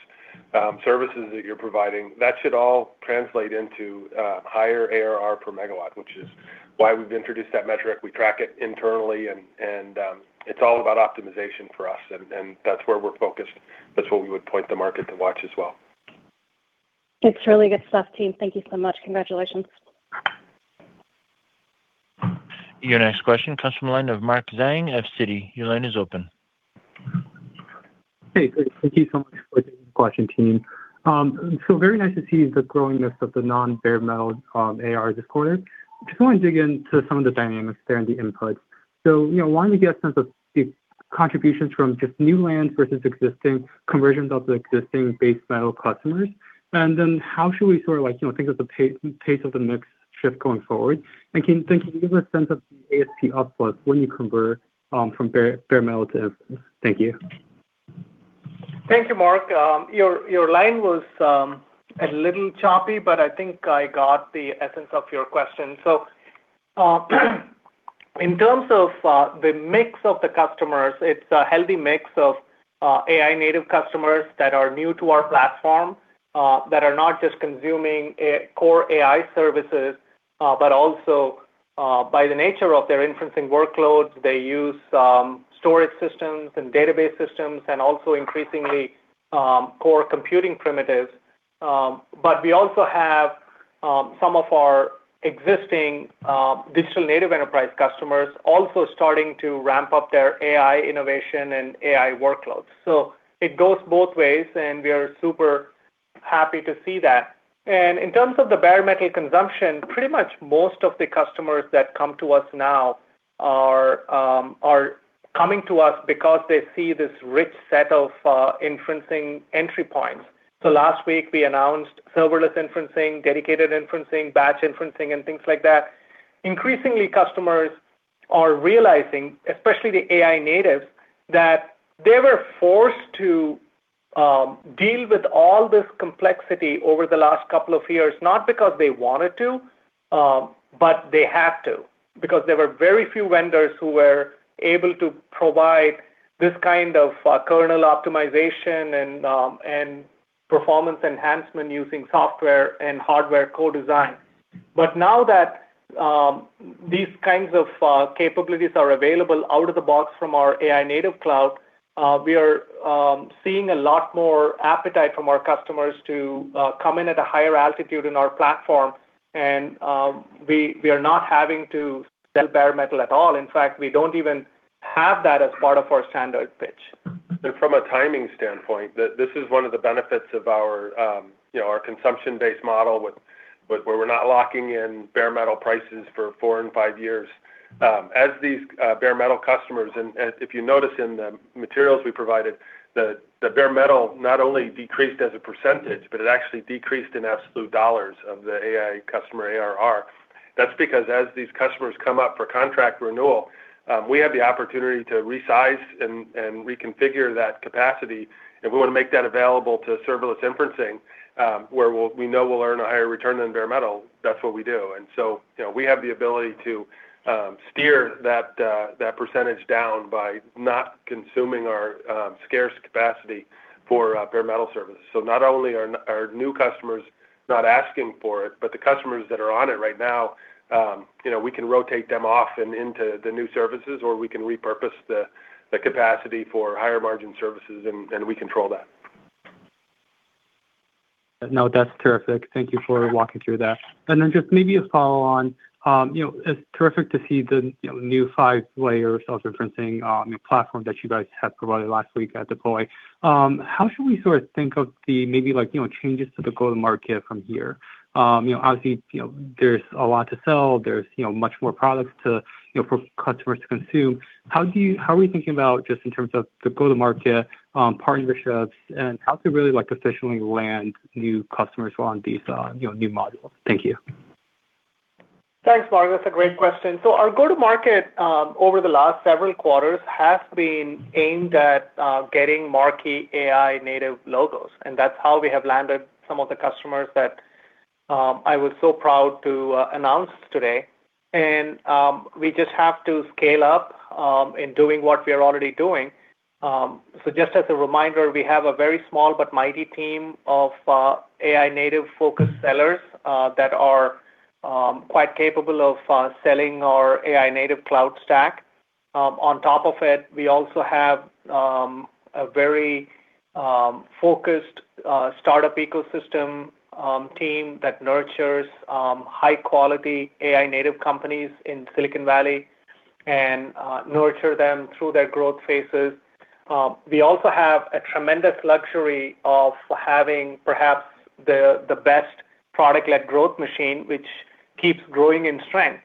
D: services that you're providing. That should all translate into, higher ARR per megawatt, which is why we've introduced that metric. We track it internally and, it's all about optimization for us. That's where we're focused. That's what we would point the market to watch as well.
F: It's really good stuff, team. Thank you so much. Congratulations.
A: Your next question comes from the line of Mark Zhang of Citi. Your line is open.
G: Hey. Thank you so much for taking the question, team. Very nice to see the growing list of the non-bare metal, ARR this quarter. Just want to dig into some of the dynamics there and the inputs. You know, one, to get a sense of the contributions from just new lands versus existing conversions of the existing bare metal customers. How should we sort of like, you know, think of the pace of the mix shift going forward? Can you give a sense of the ASP uploads when you convert from bare metal. Thank you.
C: Thank you, Mark. Your, your line was a little choppy, but I think I got the essence of your question. In terms of the mix of the customers, it's a healthy mix of AI native customers that are new to our platform, that are not just consuming core AI services, but also by the nature of their inferencing workloads, they use storage systems and database systems and also increasingly core computing primitives. We also have some of our existing digital native enterprise customers also starting to ramp up their AI innovation and AI workloads. It goes both ways, and we are super happy to see that. In terms of the bare metal consumption, pretty much most of the customers that come to us now are coming to us because they see this rich set of inferencing entry points. Last week we announced serverless inferencing, dedicated inferencing, batch inferencing and things like that. Increasingly, customers are realizing, especially the AI natives, that they were forced to deal with all this complexity over the last couple of years, not because they wanted to, but they had to because there were very few vendors who were able to provide this kind of kernel optimization and performance enhancement using software and hardware co-design. Now that these kinds of capabilities are available out of the box from our AI-Native Cloud, we are seeing a lot more appetite from our customers to come in at a higher altitude in our platform. We are not having to sell bare metal at all. In fact, we don't even have that as part of our standard pitch.
D: From a timing standpoint, this is one of the benefits of our, you know, our consumption-based model where we're not locking in bare metal prices for four and five years. As these bare metal customers, and if you notice in the materials we provided, the bare metal not only decreased as a percentage, but it actually decreased in absolute dollars of the AI customer ARR. That's because as these customers come up for contract renewal, we have the opportunity to resize and reconfigure that capacity. If we want to make that available to serverless inferencing, where we know we'll earn a higher return than bare metal, that's what we do. You know, we have the ability to steer that percentage down by not consuming our scarce capacity for bare metal services. Not only are new customers not asking for it, but the customers that are on it right now, you know, we can rotate them off and into the new services, or we can repurpose the capacity for higher margin services, and we control that.
G: No, that's terrific. Thank you for walking through that. Maybe a follow on. You know, it's terrific to see the, you know, new five-layer self-inferencing platform that you guys have provided last week at Deploy. How should we sort of think of the maybe like, you know, changes to the go-to-market from here? You know, obviously, you know, there's a lot to sell. There's, you know, much more products to, you know, for customers to consume. How are we thinking about just in terms of the go-to-market, partnerships and how to really like efficiently land new customers who are on these, you know, new modules? Thank you.
C: Thanks, Mark. That's a great question. Our go-to-market, over the last several quarters has been aimed at getting marquee AI-native logos, and that's how we have landed some of the customers that I was so proud to announce today. We just have to scale up in doing what we are already doing. Just as a reminder, we have a very small but mighty team of AI-native-focused sellers that are quite capable of selling our AI-native cloud stack. On top of it, we also have a very focused startup ecosystem team that nurtures high-quality AI-native companies in Silicon Valley and nurture them through their growth phases. We also have a tremendous luxury of having perhaps the best product-led growth machine which keeps growing in strength.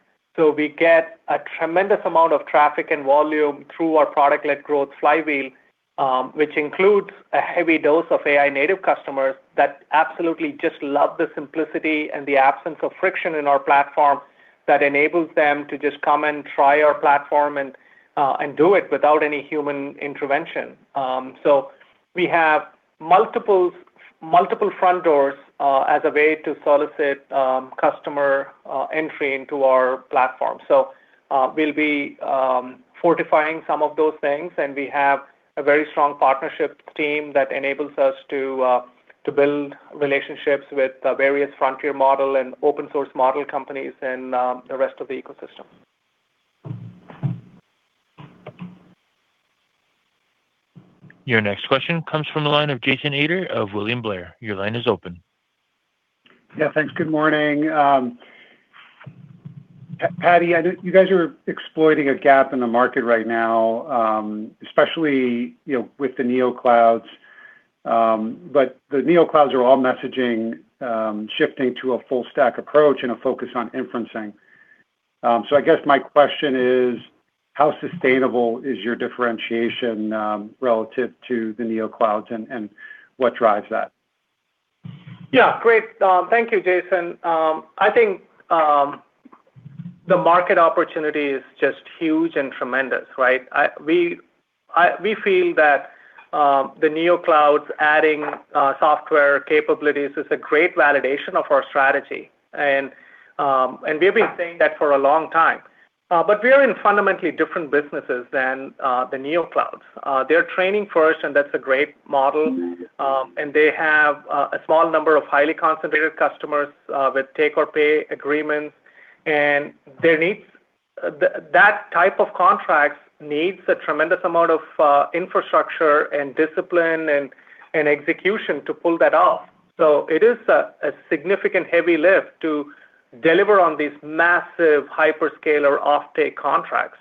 C: We get a tremendous amount of traffic and volume through our product-led growth flywheel. Which includes a heavy dose of AI native customers that absolutely just love the simplicity and the absence of friction in our platform that enables them to just come and try our platform and do it without any human intervention. We have multiple front doors as a way to solicit customer entry into our platform. We'll be fortifying some of those things, and we have a very strong partnership team that enables us to build relationships with the various frontier model and open source model companies and the rest of the ecosystem.
A: Your next question comes from the line of Jason Ader of William Blair. Your line is open.
H: Yeah, thanks. Good morning. Paddy, I know you guys are exploiting a gap in the market right now, especially, you know, with the NeoClouds. The NeoClouds are all messaging, shifting to a full stack approach and a focus on inferencing. I guess my question is: How sustainable is your differentiation, relative to the NeoClouds and what drives that?
C: Yeah. Great. Thank you, Jason. I think the market opportunity is just huge and tremendous, right? We feel that the NeoClouds adding software capabilities is a great validation of our strategy. We've been saying that for a long time. We are in fundamentally different businesses than the NeoClouds. They're training first, and that's a great model. They have a small number of highly concentrated customers with take or pay agreements. That type of contracts needs a tremendous amount of infrastructure and discipline and execution to pull that off. It is a significant heavy lift to deliver on these massive hyperscaler offtake contracts.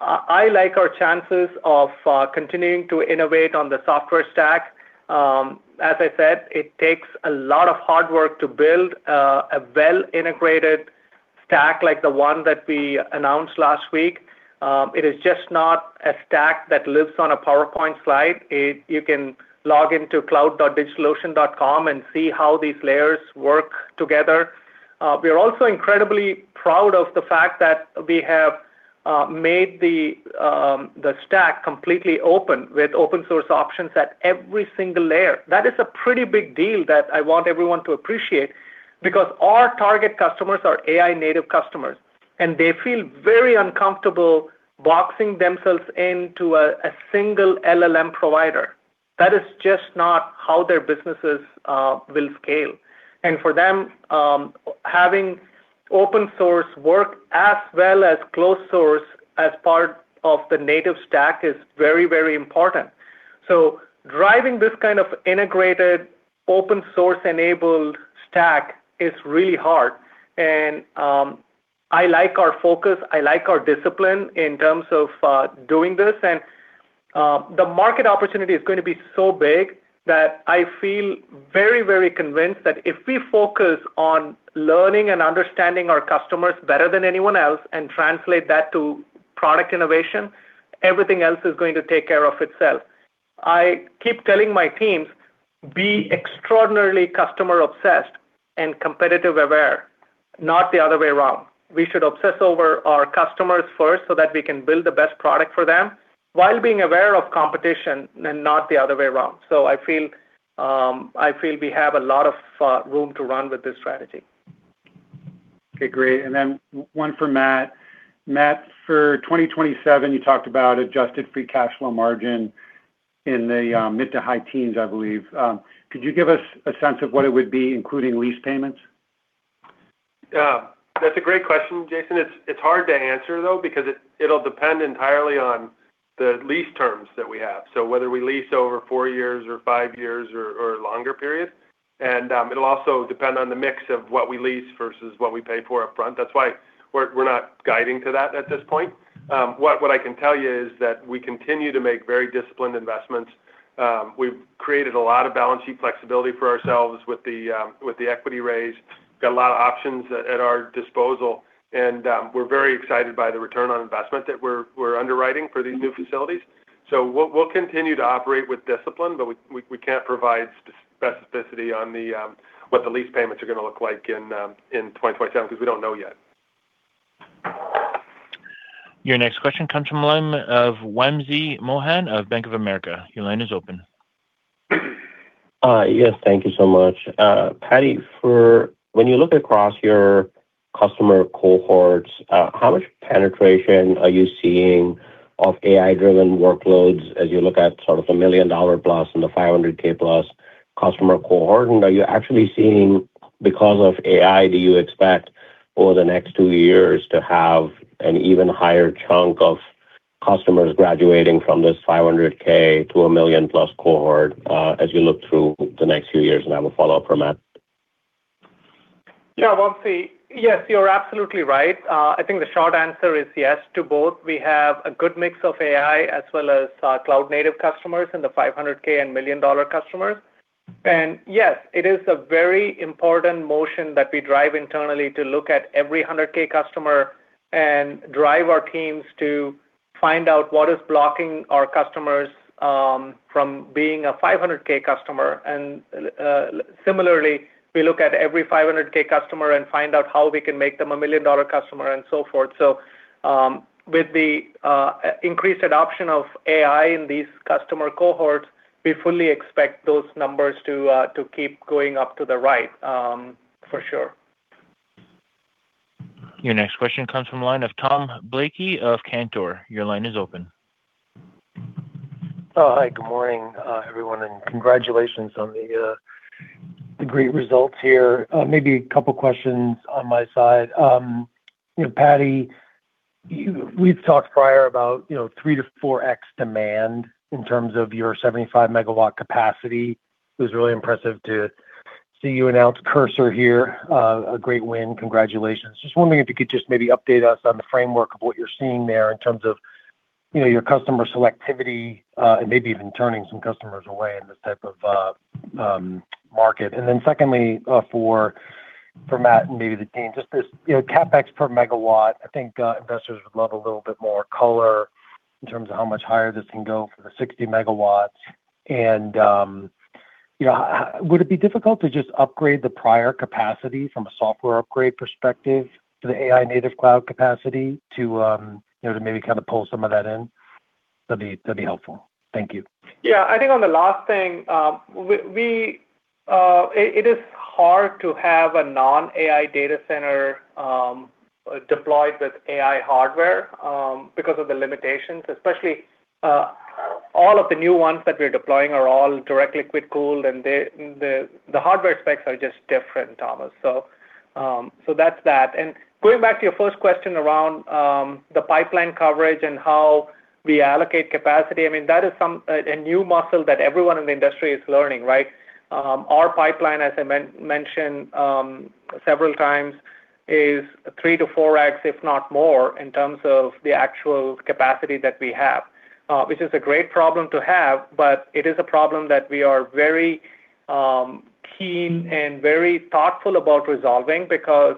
C: I like our chances of continuing to innovate on the software stack. As I said, it takes a lot of hard work to build a well-integrated stack like the one that we announced last week. It is just not a stack that lives on a PowerPoint slide. You can log into cloud.digitalocean.com and see how these layers work together. We are also incredibly proud of the fact that we have made the stack completely open with open source options at every single layer. That is a pretty big deal that I want everyone to appreciate because our target customers are AI native customers, and they feel very uncomfortable boxing themselves into a single LLM provider. That is just not how their businesses will scale. For them, having open source work as well as closed source as part of the native stack is very important. Driving this kind of integrated open source-enabled stack is really hard. I like our focus, I like our discipline in terms of doing this. The market opportunity is going to be so big that I feel very, very convinced that if we focus on learning and understanding our customers better than anyone else and translate that to product innovation, everything else is going to take care of itself. I keep telling my teams, "be extraordinarily customer obsessed and competitive aware, not the other way around." We should obsess over our customers first so that we can build the best product for them while being aware of competition and not the other way around. I feel we have a lot of room to run with this strategy.
H: Okay. Great. Then one for Matt. Matt, for 2027, you talked about adjusted free cash flow margin in the mid to high teens, I believe. Could you give us a sense of what it would be including lease payments?
D: Yeah. That's a great question, Jason. It's hard to answer though because it'll depend entirely on the lease terms that we have, so whether we lease over four years or five years or longer period. It'll also depend on the mix of what we lease versus what we pay for upfront. That's why we're not guiding to that at this point. What I can tell you is that we continue to make very disciplined investments. We've created a lot of balance sheet flexibility for ourselves with the equity raise. Got a lot of options at our disposal. We're very excited by the return on investment that we're underwriting for these new facilities. We'll continue to operate with discipline, but we can't provide specificity on what the lease payments are gonna look like in 2027 because we don't know yet.
A: Your next question comes from the line of Wamsi Mohan of Bank of America. Your line is open.
I: Yes. Thank you so much. Paddy, when you look across your customer cohorts, how much penetration are you seeing of AI-driven workloads as you look at sort of the +$1 million and the $500,000+ customer cohort? Are you actually seeing because of AI, do you expect over the next two years to have an even higher chunk of customers graduating from this $500,000 to +$1 million cohort, as you look through the next few years? I have a follow-up for Matt.
C: Yeah, Wamsi. Yes, you're absolutely right. I think the short answer is yes to both. We have a good mix of AI as well as cloud native customers in the $500,000 and $1 million customers. Yes, it is a very important motion that we drive internally to look at every $100,000 customer and drive our teams to find out what is blocking our customers from being a $500,000 customer. Similarly, we look at every $500,000 customer and find out how we can make them a $1 million customer and so forth. With the increased adoption of AI in these customer cohorts, we fully expect those numbers to keep going up to the right for sure.
A: Your next question comes from line of Tom Blakey of Cantor. Your line is open.
J: Hi. Good morning, everyone, and congratulations on the great results here. Maybe a couple questions on my side. You know, Paddy, we've talked prior about, you know, 3x-4x demand in terms of your 75 MW capacity. It was really impressive to see you announce Cursor here. A great win. Congratulations. Just wondering if you could just maybe update us on the framework of what you're seeing there in terms of, you know, your customer selectivity, and maybe even turning some customers away in this type of market. Secondly, for Matt and maybe the team, just this, you know, CapEx per megawatt, I think investors would love a little bit more color in terms of how much higher this can go for the 60 MW. You know, would it be difficult to just upgrade the prior capacity from a software upgrade perspective to the AI-Native Cloud capacity to, you know, to maybe kind of pull some of that in? That'd be helpful. Thank you.
C: Yeah. I think on the last thing, we, it is hard to have a non-AI data center, deployed with AI hardware, because of the limitations. Especially, all of the new ones that we're deploying are all direct liquid cooled, and the hardware specs are just different, Thomas. That's that. Going back to your first question around the pipeline coverage and how we allocate capacity, I mean, that is some a new muscle that everyone in the industry is learning, right? Our pipeline, as I mentioned, several times, is 3x-4x, if not more, in terms of the actual capacity that we have. Which is a great problem to have, but it is a problem that we are very keen and very thoughtful about resolving because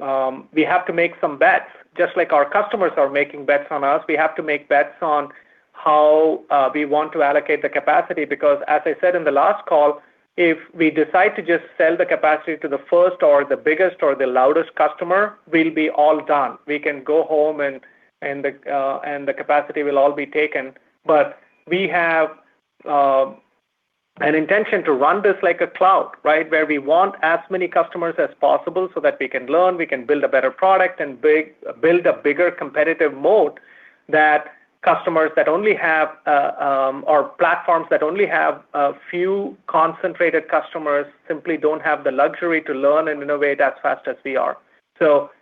C: we have to make some bets. Just like our customers are making bets on us, we have to make bets on how we want to allocate the capacity. As I said in the last call, if we decide to just sell the capacity to the first or the biggest or the loudest customer, we'll be all done. We can go home and the capacity will all be taken. We have an intention to run this like a cloud, right? Where we want as many customers as possible so that we can learn, we can build a better product and build a bigger competitive moat. That customers that only have or platforms that only have a few concentrated customers simply don't have the luxury to learn and innovate as fast as we are.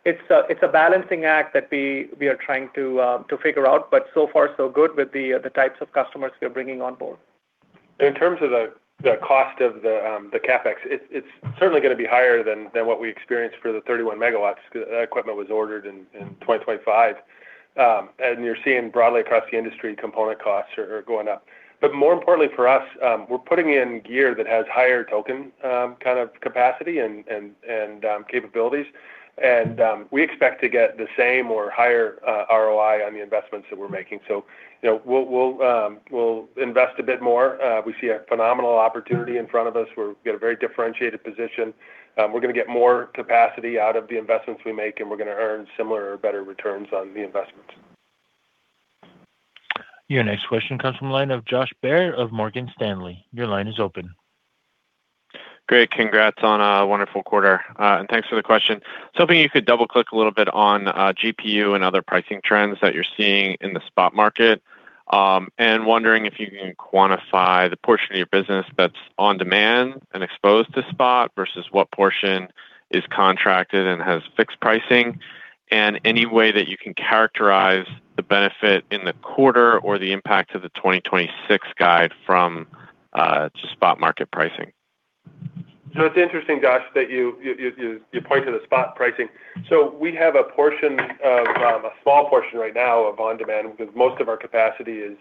C: It's a balancing act that we are trying to figure out, but so far so good with the types of customers we are bringing on board.
D: In terms of the cost of the CapEx, it's certainly gonna be higher than what we experienced for the 31 MW. That equipment was ordered in 2025. You're seeing broadly across the industry component costs are going up. More importantly for us, we're putting in gear that has higher token kind of capacity and capabilities. We expect to get the same or higher ROI on the investments that we're making. You know, we'll invest a bit more. We see a phenomenal opportunity in front of us. We've got a very differentiated position. We're gonna get more capacity out of the investments we make, and we're gonna earn similar or better returns on the investments.
A: Your next question comes from the line of Josh Baer of Morgan Stanley. Your line is open.
K: Great. Congrats on a wonderful quarter. Thanks for the question. Just hoping you could double-click a little bit on GPU and other pricing trends that you're seeing in the spot market. Wondering if you can quantify the portion of your business that's on demand and exposed to spot versus what portion is contracted and has fixed pricing. Any way that you can characterize the benefit in the quarter or the impact of the 2026 guide from to spot market pricing.
D: It's interesting, Josh, that you point to the spot pricing. We have a portion of a small portion right now of on-demand because most of our capacity is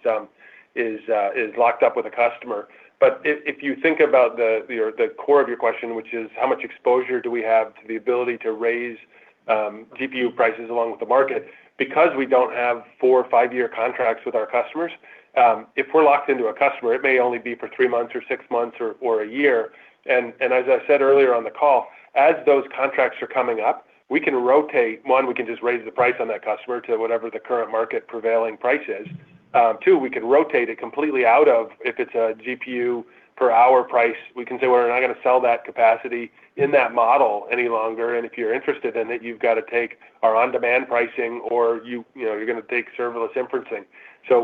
D: locked up with a customer. If you think about the or the core of your question, which is how much exposure do we have to the ability to raise GPU prices along with the market, because we don't have four or five-year contracts with our customers, if we're locked into a customer, it may only be for three months or six months or a year. As I said earlier on the call, as those contracts are coming up, we can rotate. One, we can just raise the price on that customer to whatever the current market prevailing price is. Two, we can rotate it completely out of, if it's a GPU per hour price, we can say, "we're not gonna sell that capacity in that model any longer, and if you're interested in it, you've got to take our on-demand pricing, or you know, you're gonna take serverless inferencing."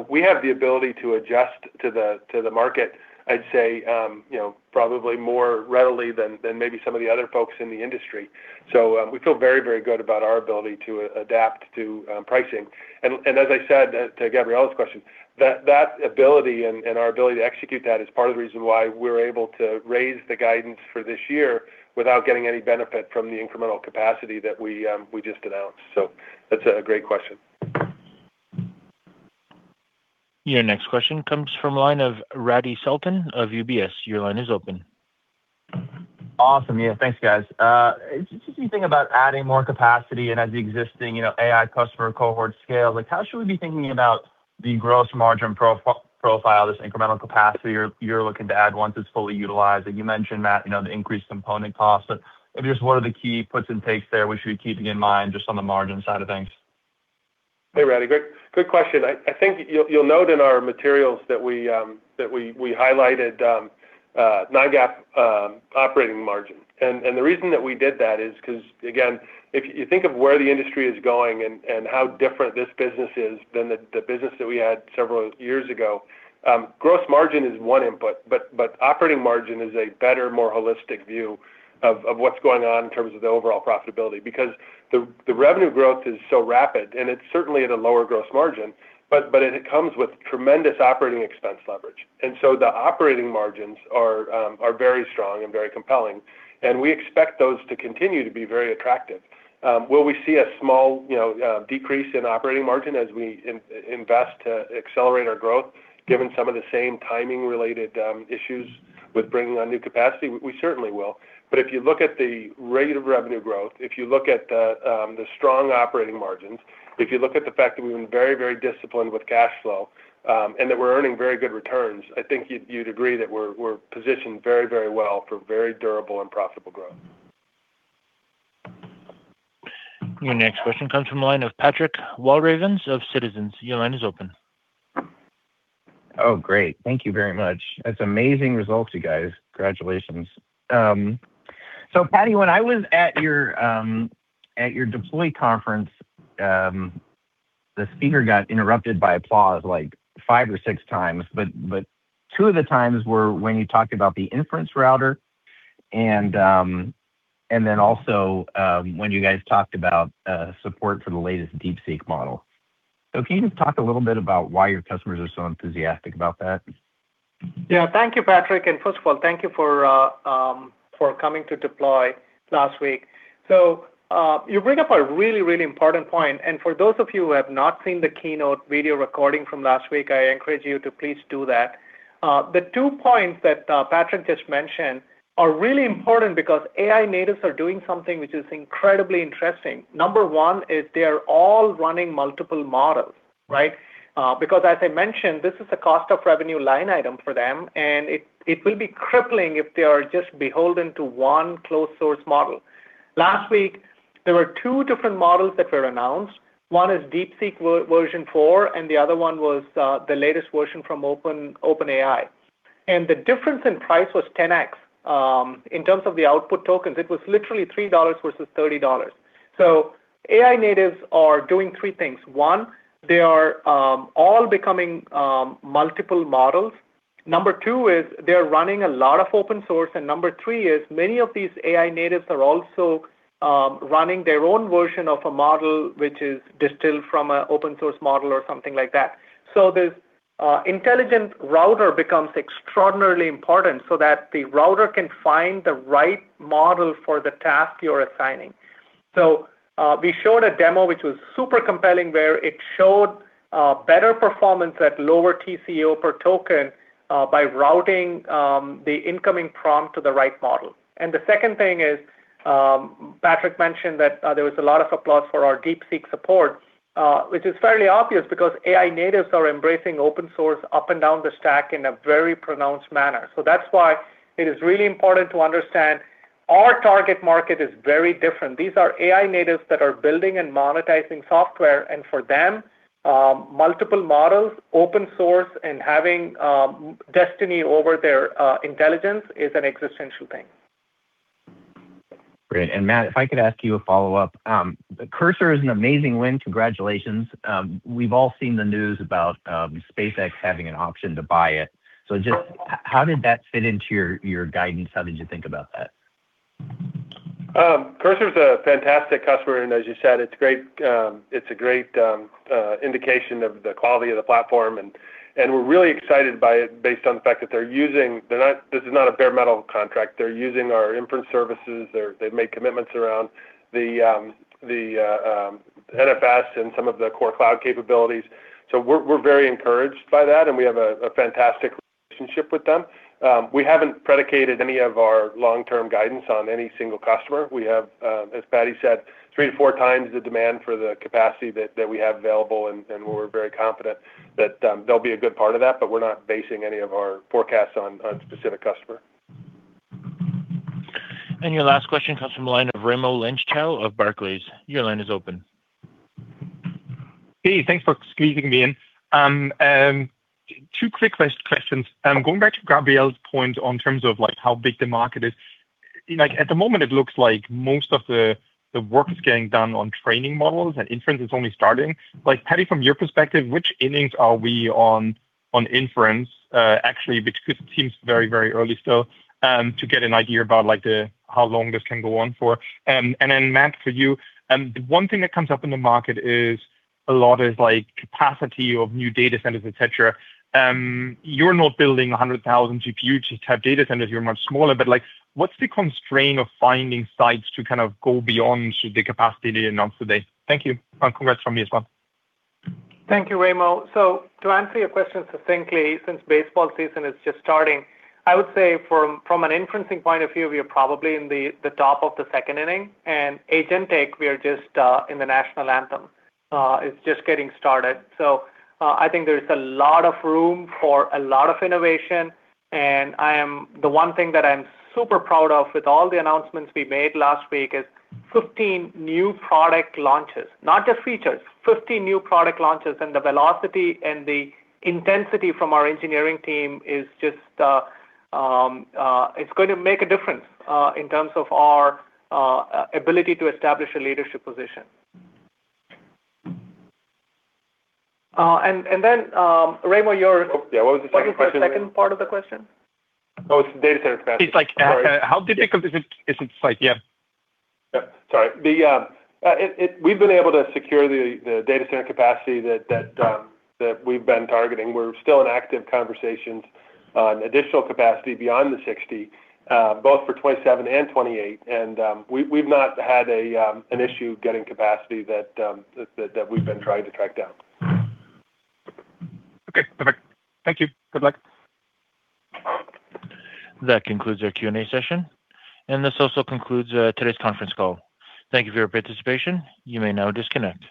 D: we have the ability to adjust to the market, I'd say, you know, probably more readily than maybe some of the other folks in the industry. We feel very good about our ability to adapt to pricing. And as I said, to Gabriela's question, that ability and our ability to execute that is part of the reason why we're able to raise the guidance for this year without getting any benefit from the incremental capacity that we just announced. That's a great question.
A: Your next question comes from line of Radi Sultan of UBS. Your line is open.
L: Awesome. Yeah, thanks, guys. just you think about adding more capacity and as the existing, you know, AI customer cohort scale, like how should we be thinking about the gross margin profile, this incremental capacity you're looking to add once it's fully utilized? You mentioned, Matt, you know, the increased component costs, but maybe just what are the key puts and takes there we should be keeping in mind just on the margin side of things?
D: Hey, Radi. Great question. I think you'll note in our materials that we highlighted non-GAAP operating margin. The reason that we did that is because, again, if you think of where the industry is going and how different this business is than the business that we had several years ago, gross margin is one input, but operating margin is a better, more holistic view of what's going on in terms of the overall profitability. Because the revenue growth is so rapid, and it's certainly at a lower gross margin, but it comes with tremendous operating expense leverage. The operating margins are very strong and very compelling, and we expect those to continue to be very attractive. Will we see a small, you know, decrease in operating margin as we invest to accelerate our growth, given some of the same timing related issues with bringing on new capacity? We certainly will. If you look at the rate of revenue growth, if you look at the strong operating margins, if you look at the fact that we've been very, very disciplined with cash flow, and that we're earning very good returns, I think you'd agree that we're positioned very, very well for very durable and profitable growth.
A: Your next question comes from the line of Patrick Walravens of Citizens. Your line is open.
M: Great. Thank you very much. That's amazing results, you guys. Congratulations. Paddy, when I was at your Deploy conference, the speaker got interrupted by applause like five or six times, but two of the times were when you talked about the inference router, and then also when you guys talked about support for the latest DeepSeek model. Can you just talk a little bit about why your customers are so enthusiastic about that?
C: Thank you, Patrick. First of all, thank you for coming to Deploy last week. You bring up a really important point. For those of you who have not seen the keynote video recording from last week, I encourage you to please do that. The two points that Patrick just mentioned are really important because AI natives are doing something which is incredibly interesting. Number one is they are all running multiple models, right? Because as I mentioned, this is a cost of revenue line item for them, and it will be crippling if they are just beholden to one closed source model. Last week, there were two different models that were announced. One is DeepSeek V4, and the other one was the latest version from OpenAI. The difference in price was 10x. In terms of the output tokens, it was literally $3 versus $30. AI natives are doing three things. One, they are all becoming multiple models. Number two is they're running a lot of open source. Number three is many of these AI natives are also running their own version of a model which is distilled from a open source model or something like that. This intelligent router becomes extraordinarily important so that the router can find the right model for the task you're assigning. We showed a demo which was super compelling, where it showed better performance at lower TCO per token by routing the incoming prompt to the right model. The second thing is, Patrick mentioned that there was a lot of applause for our DeepSeek support, which is fairly obvious because AI natives are embracing open source up and down the stack in a very pronounced manner. That's why it is really important to understand our target market is very different. These are AI natives that are building and monetizing software. For them, multiple models, open source, and having destiny over their intelligence is an existential thing.
M: Great. Matt, if I could ask you a follow-up. Cursor is an amazing win. Congratulations. We've all seen the news about SpaceX having an option to buy it. Just how did that fit into your guidance? How did you think about that?
D: Cursor is a fantastic customer, and as you said, it's great, it's a great indication of the quality of the platform. We're really excited by it based on the fact that This is not a bare metal contract. They're using our inference services. They've made commitments around the NFS and some of the core cloud capabilities. We're very encouraged by that, and we have a fantastic relationship with them. We haven't predicated any of our long-term guidance on any single customer. We have, as Paddy said, three to four times the demand for the capacity that we have available, we're very confident that they'll be a good part of that. We're not basing any of our forecasts on specific customer.
A: Your last question comes from the line of Raimo Lenschow of Barclays. Your line is open.
N: Hey, thanks for squeezing me in. Two quick questions. Going back to Gabriela's point on terms of, like, how big the market is, like at the moment it looks like most of the work is getting done on training models and inference is only starting. Like, Paddy, from your perspective, which innings are we on inference? Actually, because it seems very, very early still, to get an idea about like the how long this can go on for. Then Matt, for you, one thing that comes up in the market is a lot is like capacity of new data centers, et cetera. You're not building 100,000 GPU to have data centers. You're much smaller. Like what's the constraint of finding sites to kind of go beyond the capacity you announced today? Thank you, and congrats from me as well.
C: Thank you, Raimo. To answer your question succinctly, since baseball season is just starting, I would say from an inferencing point of view, we are probably in the top of the second inning. Agent tech, we are just in the national anthem. It's just getting started. I think there's a lot of room for a lot of innovation. The one thing that I'm super proud of with all the announcements we made last week is 15 new product launches. Not just features, 15 new product launches. The velocity and the intensity from our engineering team is just going to make a difference in terms of our ability to establish a leadership position. Then, Raimo, your-
D: Yeah, what was the second question?
C: What was the second part of the question?
N: Oh, it's data center capacity. Sorry. It's like, how difficult is it? Is it like Yeah.
D: Yeah, sorry. We've been able to secure the data center capacity that we've been targeting. We're still in active conversations on additional capacity beyond the 60, both for 2027 and 2028. We've not had an issue getting capacity that we've been trying to track down.
N: Okay, perfect. Thank you. Good luck.
A: That concludes our Q&A session, and this also concludes today's conference call. Thank you for your participation. You may now disconnect.